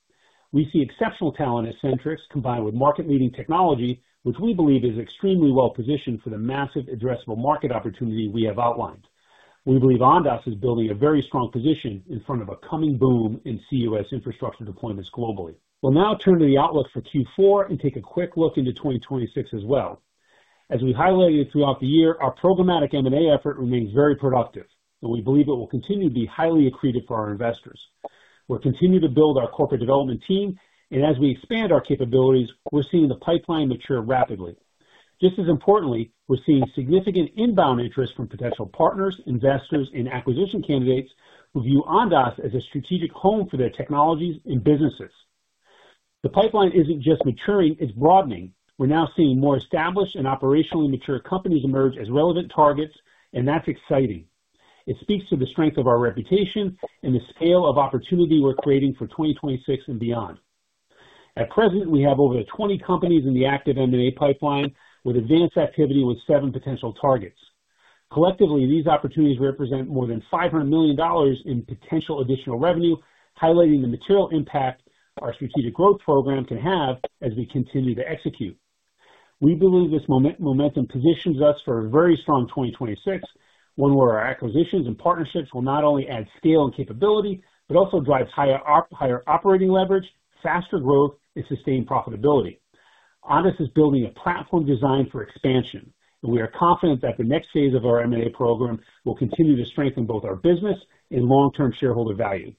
We see exceptional talent at Sentrycs combined with market-leading technology, which we believe is extremely well-positioned for the massive addressable market opportunity we have outlined. We believe Ondas is building a very strong position in front of a coming boom in CUAS infrastructure deployments globally. We'll now turn to the outlook for Q4 and take a quick look into 2026 as well. As we highlighted throughout the year, our programmatic M&A effort remains very productive, and we believe it will continue to be highly accretive for our investors. We'll continue to build our corporate development team, and as we expand our capabilities, we're seeing the pipeline mature rapidly. Just as importantly, we're seeing significant inbound interest from potential partners, investors, and acquisition candidates who view Ondas as a strategic home for their technologies and businesses. The pipeline isn't just maturing; it's broadening. We're now seeing more established and operationally mature companies emerge as relevant targets, and that's exciting. It speaks to the strength of our reputation and the scale of opportunity we're creating for 2026 and beyond. At present, we have over 20 companies in the active M&A pipeline, with advanced activity with seven potential targets. Collectively, these opportunities represent more than $500 million in potential additional revenue, highlighting the material impact our strategic growth program can have as we continue to execute. We believe this momentum positions us for a very strong 2026, one where our acquisitions and partnerships will not only add scale and capability, but also drive higher operating leverage, faster growth, and sustained profitability. Ondas is building a platform designed for expansion, and we are confident that the next phase of our M&A program will continue to strengthen both our business and long-term shareholder value.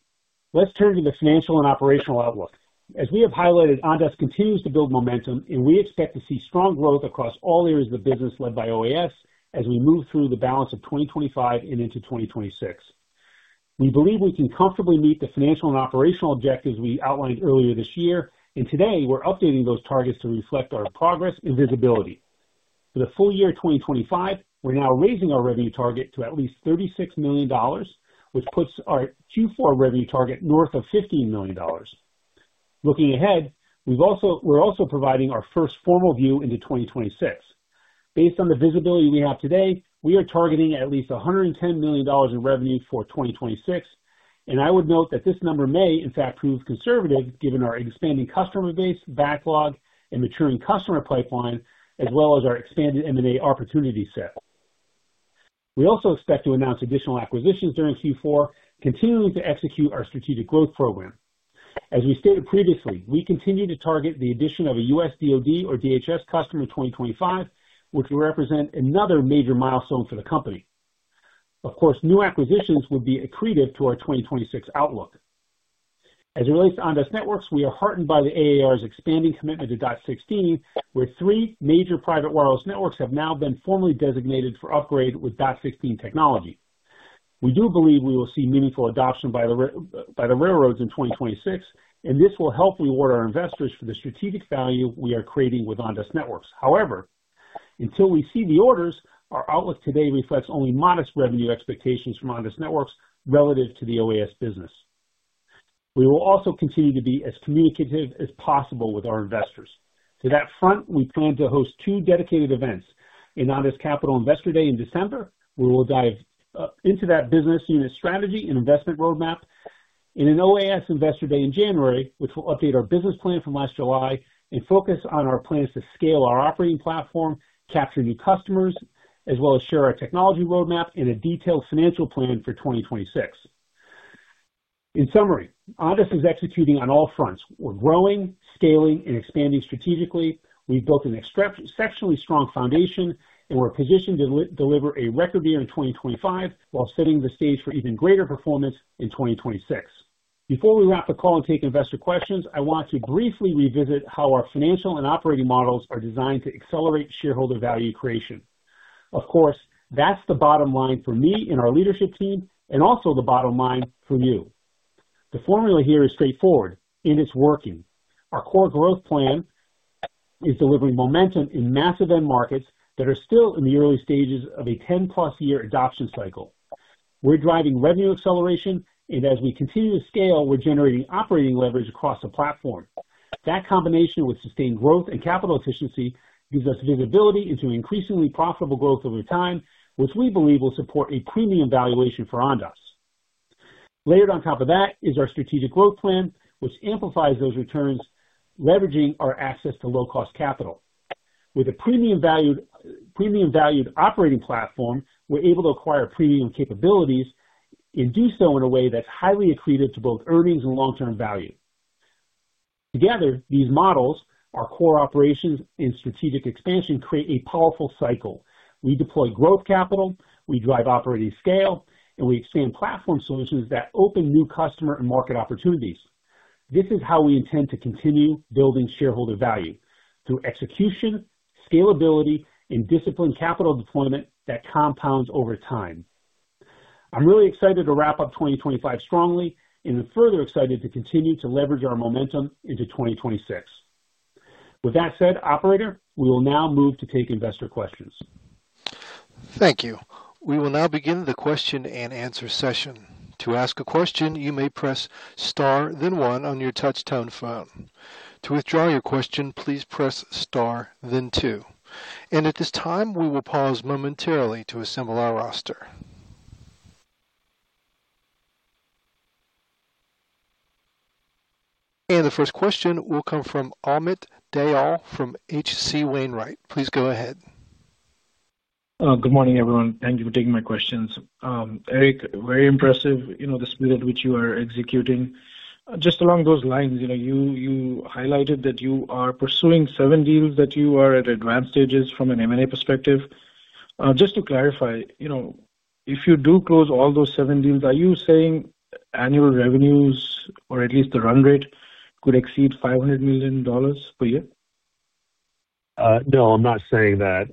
Let's turn to the financial and operational outlook. As we have highlighted, Ondas continues to build momentum, and we expect to see strong growth across all areas of the business led by OAS as we move through the balance of 2025 and into 2026. We believe we can comfortably meet the financial and operational objectives we outlined earlier this year, and today we're updating those targets to reflect our progress and visibility. For the full year 2025, we're now raising our revenue target to at least $36 million, which puts our Q4 revenue target north of $15 million. Looking ahead, we're also providing our first formal view into 2026. Based on the visibility we have today, we are targeting at least $110 million in revenue for 2026, and I would note that this number may, in fact, prove conservative given our expanding customer base, backlog, and maturing customer pipeline, as well as our expanded M&A opportunity set. We also expect to announce additional acquisitions during Q4, continuing to execute our strategic growth program. As we stated previously, we continue to target the addition of a U.S. DOD or DHS customer in 2025, which will represent another major milestone for the company. Of course, new acquisitions would be accretive to our 2026 outlook. As it relates to Ondas Networks, we are heartened by the AAR's expanding commitment to DOT 16, where three major private wireless networks have now been formally designated for upgrade with DOT 16 technology. We do believe we will see meaningful adoption by the railroads in 2026, and this will help reward our investors for the strategic value we are creating with Ondas Networks. However, until we see the orders, our outlook today reflects only modest revenue expectations from Ondas Networks relative to the OAS business. We will also continue to be as communicative as possible with our investors. To that front, we plan to host two dedicated events: an Ondas Capital Investor Day in December, where we'll dive into that business unit strategy and investment roadmap, and an OAS Investor Day in January, which will update our business plan from last July and focus on our plans to scale our operating platform, capture new customers, as well as share our technology roadmap and a detailed financial plan for 2026. In summary, Ondas is executing on all fronts. We're growing, scaling, and expanding strategically. We've built an exceptionally strong foundation, and we're positioned to deliver a record year in 2025 while setting the stage for even greater performance in 2026. Before we wrap the call and take investor questions, I want to briefly revisit how our financial and operating models are designed to accelerate shareholder value creation. Of course, that's the bottom line for me and our leadership team, and also the bottom line for you. The formula here is straightforward, and it's working. Our core growth plan is delivering momentum in massive end markets that are still in the early stages of a 10+ year adoption cycle. We're driving revenue acceleration, and as we continue to scale, we're generating operating leverage across the platform. That combination with sustained growth and capital efficiency gives us visibility into increasingly profitable growth over time, which we believe will support a premium valuation for Ondas. Layered on top of that is our strategic growth plan, which amplifies those returns, leveraging our access to low-cost capital. With a premium-valued operating platform, we're able to acquire premium capabilities and do so in a way that's highly accretive to both earnings and long-term value. Together, these models, our core operations, and strategic expansion create a powerful cycle. We deploy growth capital, we drive operating scale, and we expand platform solutions that open new customer and market opportunities. This is how we intend to continue building shareholder value through execution, scalability, and disciplined capital deployment that compounds over time. I'm really excited to wrap up 2025 strongly, and I'm further excited to continue to leverage our momentum into 2026. With that said, Operator, we will now move to take investor questions. Thank you. We will now begin the question and answer session. To ask a question, you may press star, then one on your touch-tone phone. To withdraw your question, please press star, then two. At this time, we will pause momentarily to assemble our roster. The first question will come from [Ahmet Deyol] from H.C. Wainwright. Please go ahead. Good morning, everyone. Thank you for taking my questions. Eric, very impressive, you know, the speed at which you are executing. Just along those lines, you know, you highlighted that you are pursuing seven deals that you are at advanced stages from an M&A perspective. Just to clarify, you know, if you do close all those seven deals, are you saying annual revenues, or at least the run rate, could exceed $500 million per year? No, I'm not saying that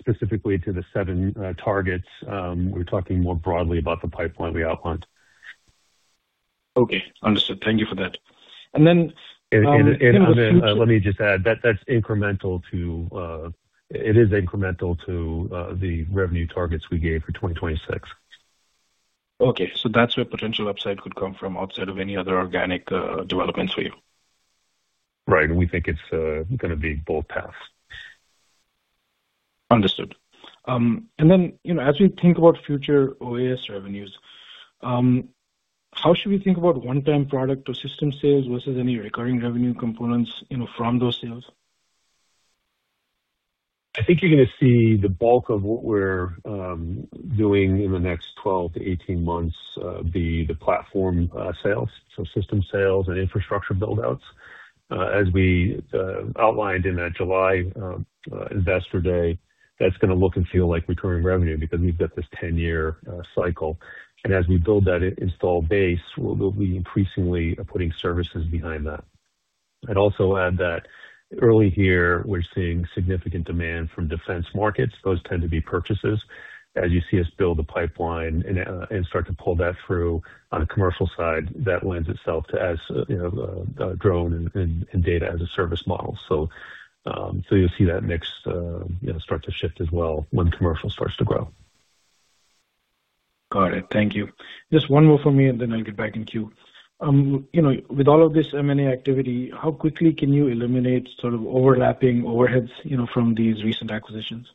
specifically to the seven targets. We're talking more broadly about the pipeline we outlined. Okay. Understood. Thank you for that. Let me just add that that's incremental to, it is incremental to the revenue targets we gave for 2026. Okay. That's where potential upside could come from outside of any other organic developments for you. Right. We think it's going to be both paths. Understood. And then, you know, as we think about future OAS revenues, how should we think about one-time product or system sales versus any recurring revenue components, you know, from those sales? I think you're going to see the bulk of what we're doing in the next 12-18 months be the platform sales, so system sales and infrastructure buildouts. As we outlined in that July investor day, that's going to look and feel like recurring revenue because we've got this 10-year cycle. As we build that installed base, we'll be increasingly putting services behind that. I'd also add that early here, we're seeing significant demand from defense markets. Those tend to be purchases. As you see us build the pipeline and start to pull that through on the commercial side, that lends itself to, as you know, drone and data as a service model. You will see that mix, you know, start to shift as well when commercial starts to grow. Got it. Thank you. Just one more for me, and then I'll get back in queue. You know, with all of this M&A activity, how quickly can you eliminate sort of overlapping overheads, you know, from these recent acquisitions?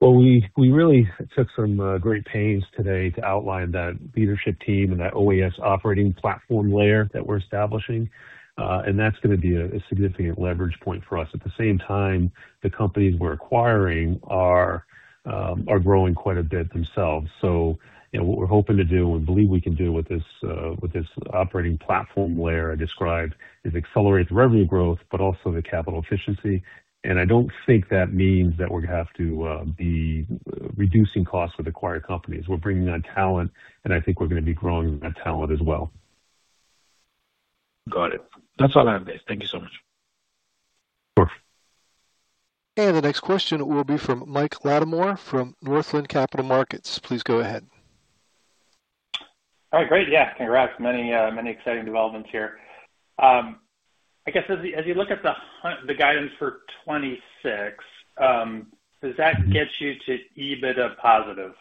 We really took some great pains today to outline that leadership team and that OAS operating platform layer that we are establishing. That is going to be a significant leverage point for us. At the same time, the companies we are acquiring are growing quite a bit themselves. So, you know, what we're hoping to do and believe we can do with this operating platform layer I described is accelerate the revenue growth, but also the capital efficiency. I don't think that means that we're going to have to be reducing costs with acquired companies. We're bringing on talent, and I think we're going to be growing that talent as well. Got it. That's all I have there. Thank you so much. The next question will be from Mike Latimore from Northland Capital Markets. Please go ahead. All right. Great. Yeah. Congrats. Many, many exciting developments here. I guess as you look at the guidance for 2026, does that get you to EBITDA positive?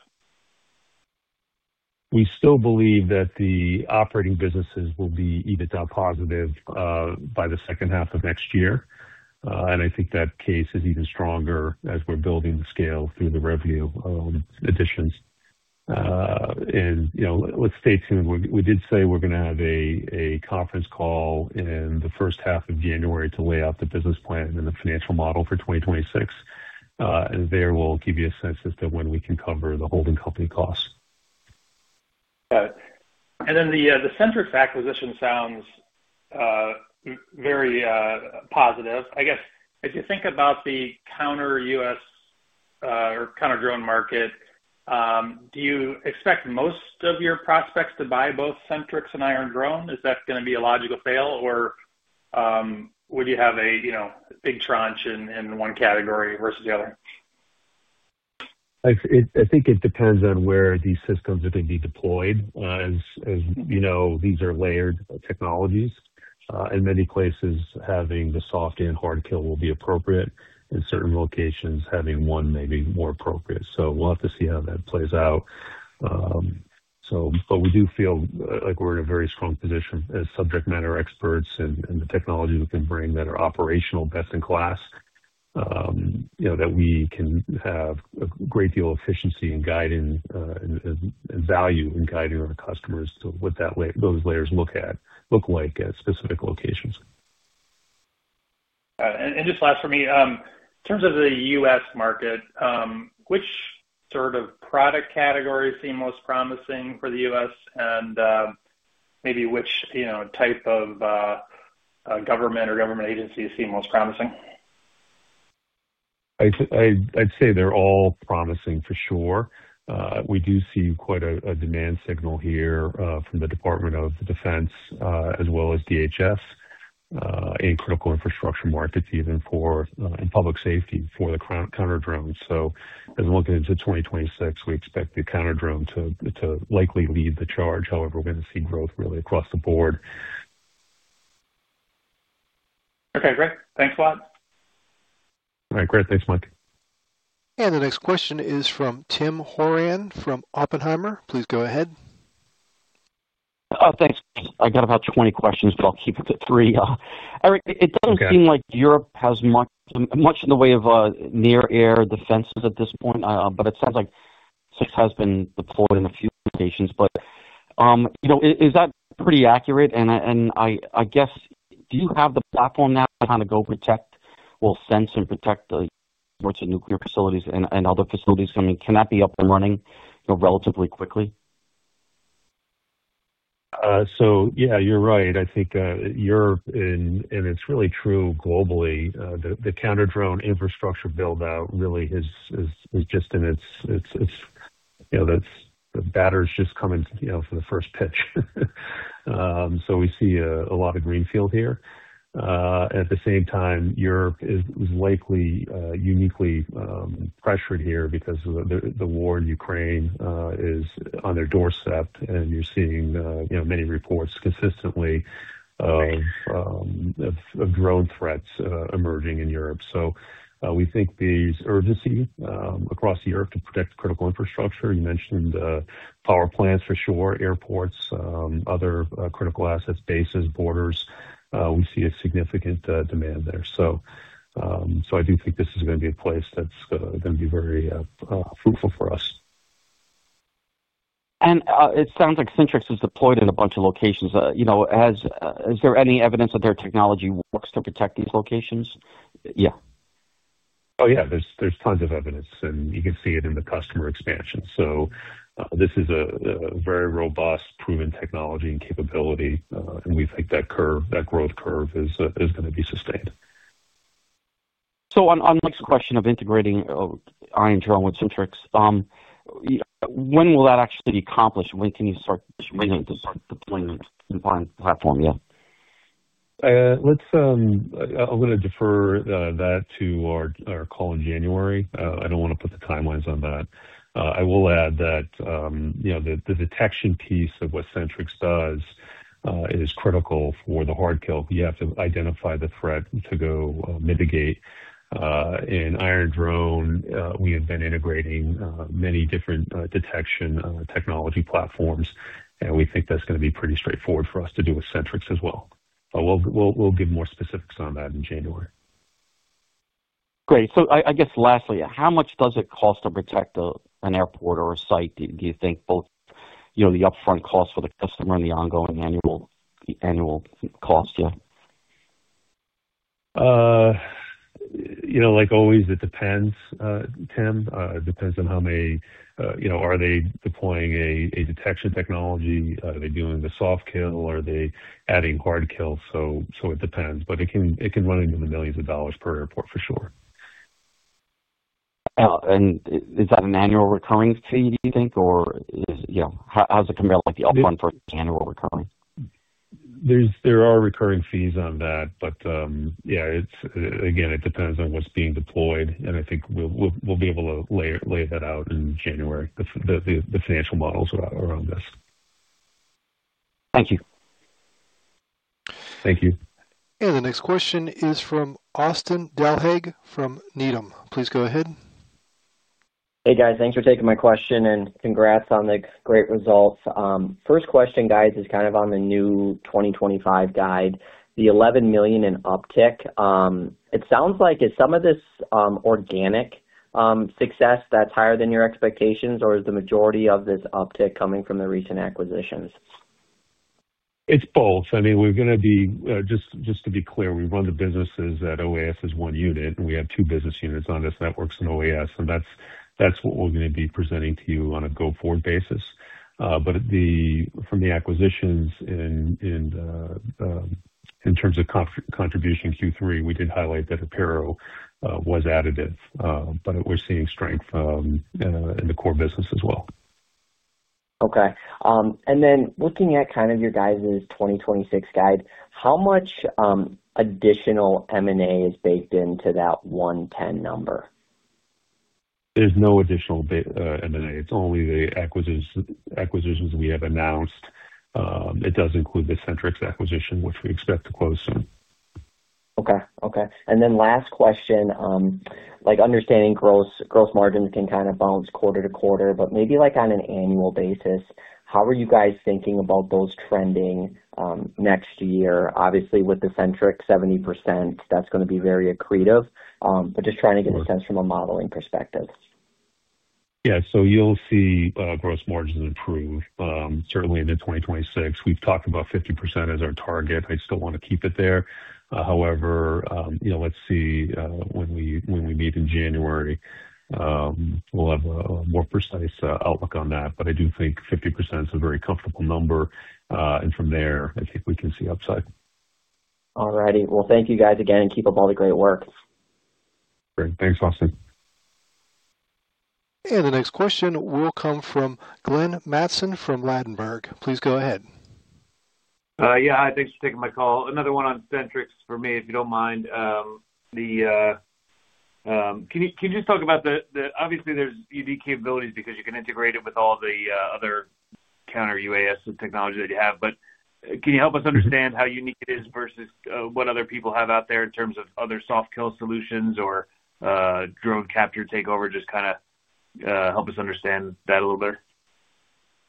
We still believe that the operating businesses will be EBITDA positive by the second half of next year. I think that case is even stronger as we're building the scale through the revenue additions. You know, let's stay tuned. We did say we're going to have a conference call in the first half of January to lay out the business plan and the financial model for 2026. There we'll give you a sense as to when we can cover the holding company costs. Got it. The Sentrycs acquisition sounds very positive. I guess as you think about the counter-UAS or counter-drone market, do you expect most of your prospects to buy both Sentrycs and Iron Drone? Is that going to be a logical sale, or would you have a big tranche in one category versus the other? I think it depends on where these systems are going to be deployed. As you know, these are layered technologies. In many places, having the soft and hard kill will be appropriate. In certain locations, having one may be more appropriate. We will have to see how that plays out. We do feel like we are in a very strong position as subject matter experts and the technology we can bring that are operational best in class, you know, that we can have a great deal of efficiency and value in guiding our customers to what those layers look like at specific locations. Just last for me, in terms of the U.S. market, which sort of product categories seem most promising for the U.S., and maybe which, you know, type of government or government agency seem most promising? I would say they are all promising for sure. We do see quite a demand signal here from the Department of Defense as well as DHS in critical infrastructure markets, even for public safety for the counter drones. As we look into 2026, we expect the counter drone to likely lead the charge. However, we're going to see growth really across the board. Okay. Great. Thanks a lot. All right. Great. Thanks, Mike. The next question is from Tim Horan from Oppenheimer. Please go ahead. Thanks. I got about 20 questions, but I'll keep it to three. Eric, it doesn't seem like Europe has much in the way of near air defenses at this point, but it sounds like six has been deployed in a few locations. You know, is that pretty accurate? I guess, do you have the platform now to kind of go protect, well, sense and protect the sorts of nuclear facilities and other facilities coming? Can that be up and running, you know, relatively quickly? Yeah, you're right. I think Europe and it's really true globally. The counter drone infrastructure buildout really is just in its, you know, the batter's just coming, you know, for the first pitch. We see a lot of greenfield here. At the same time, Europe is likely uniquely pressured here because the war in Ukraine is on their doorstep, and you're seeing, you know, many reports consistently of drone threats emerging in Europe. We think there's urgency across Europe to protect critical infrastructure. You mentioned power plants for sure, airports, other critical assets, bases, borders. We see a significant demand there. I do think this is going to be a place that's going to be very fruitful for us. It sounds like Sentrycs is deployed in a bunch of locations. You know, is there any evidence that their technology works to protect these locations? Yeah. Oh, yeah. There's tons of evidence, and you can see it in the customer expansion. This is a very robust, proven technology and capability, and we think that curve, that growth curve is going to be sustained. On Mike's question of integrating Iron Drone with Sentrycs, when will that actually be accomplished? When can you start deploying the platform? Yeah. I'm going to defer that to our call in January. I don't want to put the timelines on that. I will add that, you know, the detection piece of what Sentrycs does is critical for the hard kill. You have to identify the threat to go mitigate. In Iron Drone, we have been integrating many different detection technology platforms, and we think that's going to be pretty straightforward for us to do with Sentrycs as well. We'll give more specifics on that in January. Great. I guess lastly, how much does it cost to protect an airport or a site? Do you think both, you know, the upfront cost for the customer and the ongoing annual cost? Yeah. You know, like always, it depends, Tim. It depends on how many, you know, are they deploying a detection technology? Are they doing the soft kill? Are they adding hard kill? It depends. It can run into the millions of dollars per airport for sure. Is that an annual recurring fee, do you think, or is, you know, how does it compare like the upfront versus annual recurring? There are recurring fees on that, but yeah, again, it depends on what's being deployed. I think we'll be able to lay that out in January, the financial models around this. Thank you. Thank you. The next question is from Austin Delhague from Needham. Please go ahead. Hey, guys. Thanks for taking my question, and congrats on the great results. First question, guys, is kind of on the new 2025 guide. The $11 million in uptick, it sounds like is some of this organic success that's higher than your expectations, or is the majority of this uptick coming from the recent acquisitions? It's both. I mean, we're going to be, just to be clear, we run the businesses that OAS is one unit, and we have two business units, Ondas Networks and OAS. That's what we're going to be presenting to you on a go-forward basis. From the acquisitions and in terms of contribution in Q3, we did highlight that Apparo was additive, but we're seeing strength in the core business as well. Okay. Looking at your 2026 guide, how much additional M&A is baked into that $110 million number? There's no additional M&A. It's only the acquisitions we have announced. It does include the Sentrycs acquisition, which we expect to close soon. Okay. Last question, understanding gross margins can kind of bounce quarter to quarter, but maybe on an annual basis, how are you guys thinking about those trending next year? Obviously, with the Sentrycs 70%, that's going to be very accretive, but just trying to get a sense from a modeling perspective. Yeah. So you'll see gross margins improve, certainly into 2026. We've talked about 50% as our target. I still want to keep it there. However, you know, let's see when we meet in January, we'll have a more precise outlook on that. But I do think 50% is a very comfortable number. And from there, I think we can see upside. All righty. Thank you guys again, and keep up all the great work. Great. Thanks, Austin. The next question will come from Glenn Mattson from Ladenburg. Please go ahead. Yeah. Hi. Thanks for taking my call. Another one on Sentrycs for me, if you don't mind. Can you just talk about the, obviously, there are unique capabilities because you can integrate it with all the other counter-UAS technology that you have. Can you help us understand how unique it is versus what other people have out there in terms of other soft kill solutions or drone capture takeover? Just kind of help us understand that a little bit.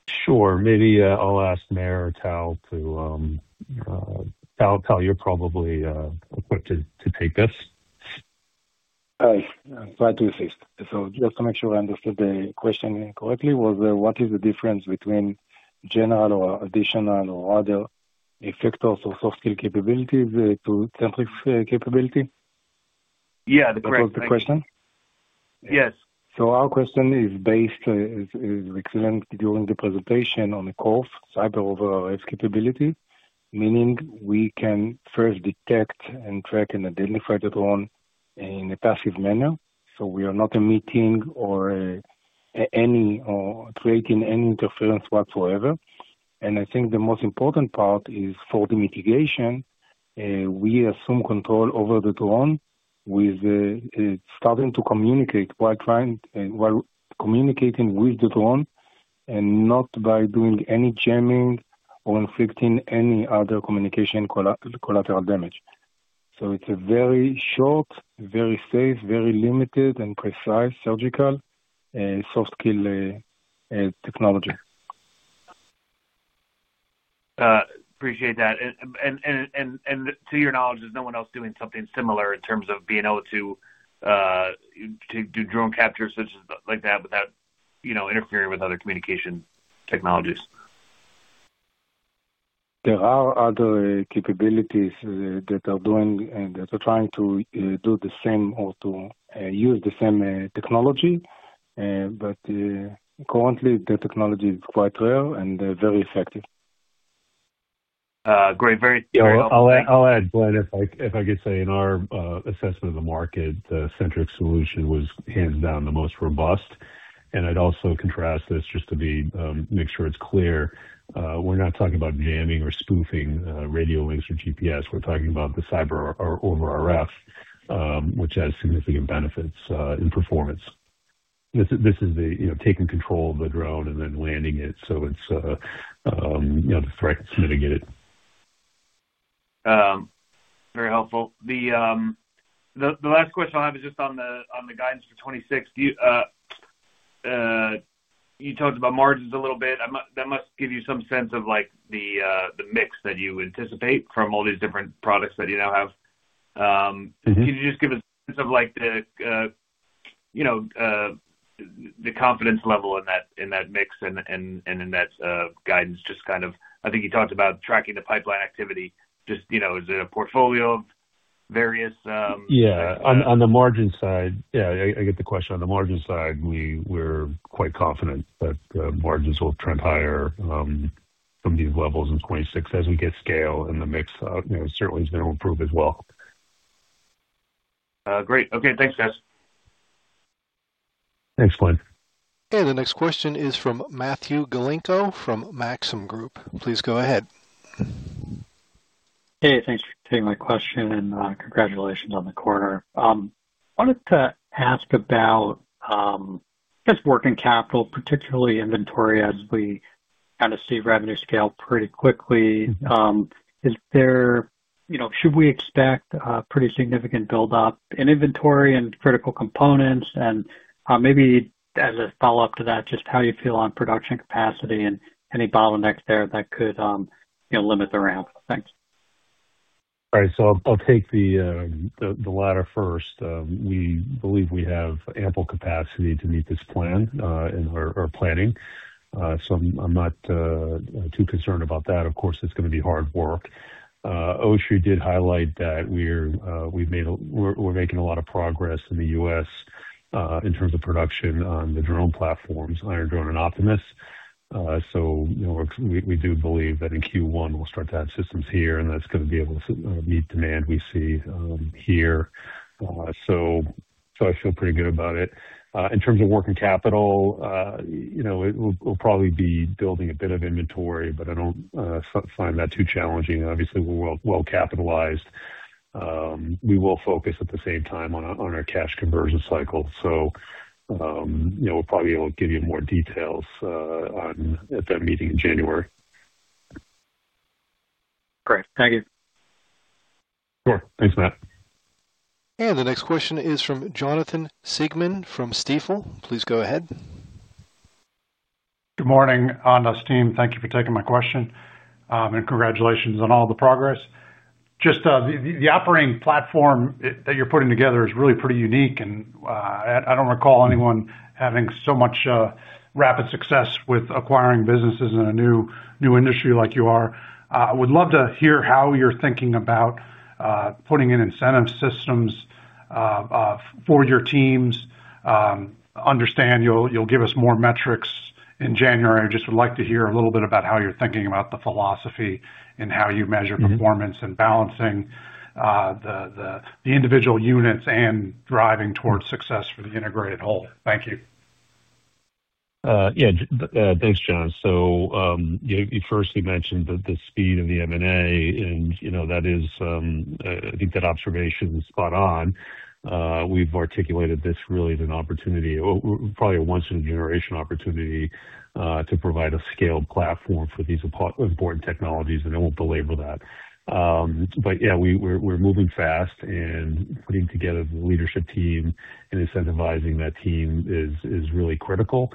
Sure. Maybe I'll ask Meir or Tal to tell, you are probably equipped to take this. Glad to assist. Just to make sure I understood the question correctly, was what is the difference between general or additional or other effectors or soft kill capabilities to Sentrycs capability? That was the question? Yes. Our question is based, is excellent during the presentation on the CORF, Cyber-over-RF capability, meaning we can first detect and track and identify the drone in a passive manner. We are not emitting or creating any interference whatsoever. I think the most important part is for the mitigation, we assume control over the drone with starting to communicate while communicating with the drone and not by doing any jamming or inflicting any other communication collateral damage. It is a very short, very safe, very limited, and precise surgical soft kill technology. Appreciate that. To your knowledge, is no one else doing something similar in terms of being able to do drone capture such as like that without, you know, interfering with other communication technologies? There are other capabilities that are doing and that are trying to do the same or to use the same technology. But currently, the technology is quite rare and very effective. Great. Very helpful. I'll add, Glenn, if I could say, in our assessment of the market, the Sentrycs solution was hands down the most robust. And I'd also contrast this just to make sure it's clear. We're not talking about jamming or spoofing radio links or GPS. We're talking about the Cyber-over-RF, which has significant benefits in performance. This is the, you know, taking control of the drone and then landing it. So it's, you know, the threat's mitigated. Very helpful. The last question I have is just on the guidance for 2026. You talked about margins a little bit. That must give you some sense of like the mix that you anticipate from all these different products that you now have. Can you just give us a sense of like the, you know, the confidence level in that mix and in that guidance? Just kind of, I think you talked about tracking the pipeline activity. Just, you know, is it a portfolio of various? Yeah. On the margin side, yeah, I get the question. On the margin side, we're quite confident that margins will trend higher from these levels in 2026 as we get scale in the mix. You know, certainly it's going to improve as well. Great. Okay. Thanks, guys. Thanks, Glenn. The next question is from Matthew Galinko from Maxim Group. Please go ahead. Hey, thanks for taking my question and congratulations on the quarter. I wanted to ask about, I guess, working capital, particularly inventory, as we kind of see revenue scale pretty quickly. Is there, you know, should we expect a pretty significant buildup in inventory and critical components? And maybe as a follow-up to that, just how you feel on production capacity and any bottlenecks there that could, you know, limit the ramp? Thanks. All right. I will take the latter first. We believe we have ample capacity to meet this plan in our planning. I am not too concerned about that. Of course, it is going to be hard work. Oshri did highlight that we are making a lot of progress in the U.S. in terms of production on the drone platforms, Iron Drone and Optimus. You know, we do believe that in Q1, we will start to add systems here, and that is going to be able to meet demand we see here. I feel pretty good about it. In terms of working capital, you know, we'll probably be building a bit of inventory, but I don't find that too challenging. Obviously, we're well capitalized. We will focus at the same time on our cash conversion cycle. You know, we'll probably be able to give you more details at that meeting in January. Great. Thank you. Sure. Thanks Matt. The next question is from Jonathan Siegmann from Stifel. Please go ahead. Good morning, Austin. Thank you for taking my question and congratulations on all the progress. Just the operating platform that you're putting together is really pretty unique, and I don't recall anyone having so much rapid success with acquiring businesses in a new industry like you are. I would love to hear how you're thinking about putting in incentive systems for your teams. Understand you'll give us more metrics in January. Just would like to hear a little bit about how you're thinking about the philosophy and how you measure performance and balancing the individual units and driving towards success for the integrated whole. Thank you. Yeah. Thanks, Jon. First, you mentioned the speed of the M&A, and you know, that is, I think that observation is spot on. We've articulated this really as an opportunity, probably a once-in-a-generation opportunity to provide a scaled platform for these important technologies, and I won't belabor that. Yeah, we're moving fast, and putting together the leadership team and incentivizing that team is really critical.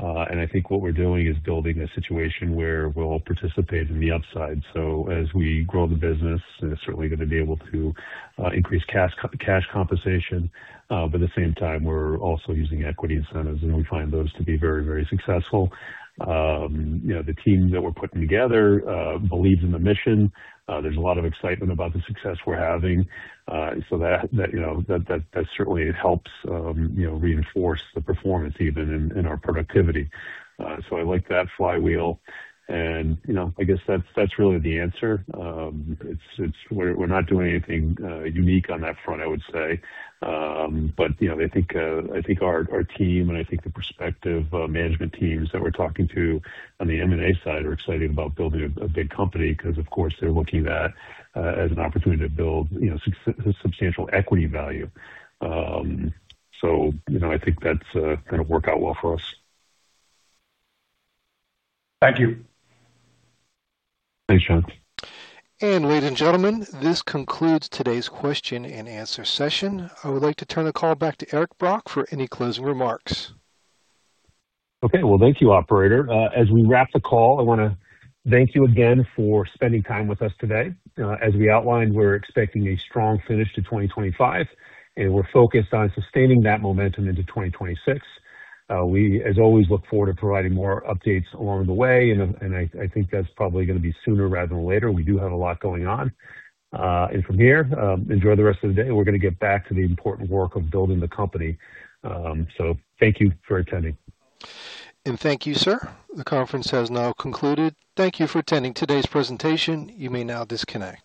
I think what we're doing is building a situation where we'll participate in the upside. As we grow the business, we're certainly going to be able to increase cash compensation. At the same time, we're also using equity incentives, and we find those to be very, very successful. You know, the team that we're putting together believes in the mission. There's a lot of excitement about the success we're having. That certainly helps, you know, reinforce the performance even in our productivity. I like that flywheel. I guess that's really the answer. We're not doing anything unique on that front, I would say. You know, I think our team and I think the prospective management teams that we're talking to on the M&A side are excited about building a big company because, of course, they're looking at it as an opportunity to build substantial equity value. I think that's going to work out well for us. Thank you. Thanks, Jon. Ladies and gentlemen, this concludes today's question and answer session. I would like to turn the call back to Eric Brock for any closing remarks. Thank you, Operator. As we wrap the call, I want to thank you again for spending time with us today. As we outlined, we're expecting a strong finish to 2025, and we're focused on sustaining that momentum into 2026. We, as always, look forward to providing more updates along the way, and I think that's probably going to be sooner rather than later. We do have a lot going on. From here, enjoy the rest of the day. We're going to get back to the important work of building the company. Thank you for attending. Thank you, sir. The conference has now concluded. Thank you for attending today's presentation. You may now disconnect.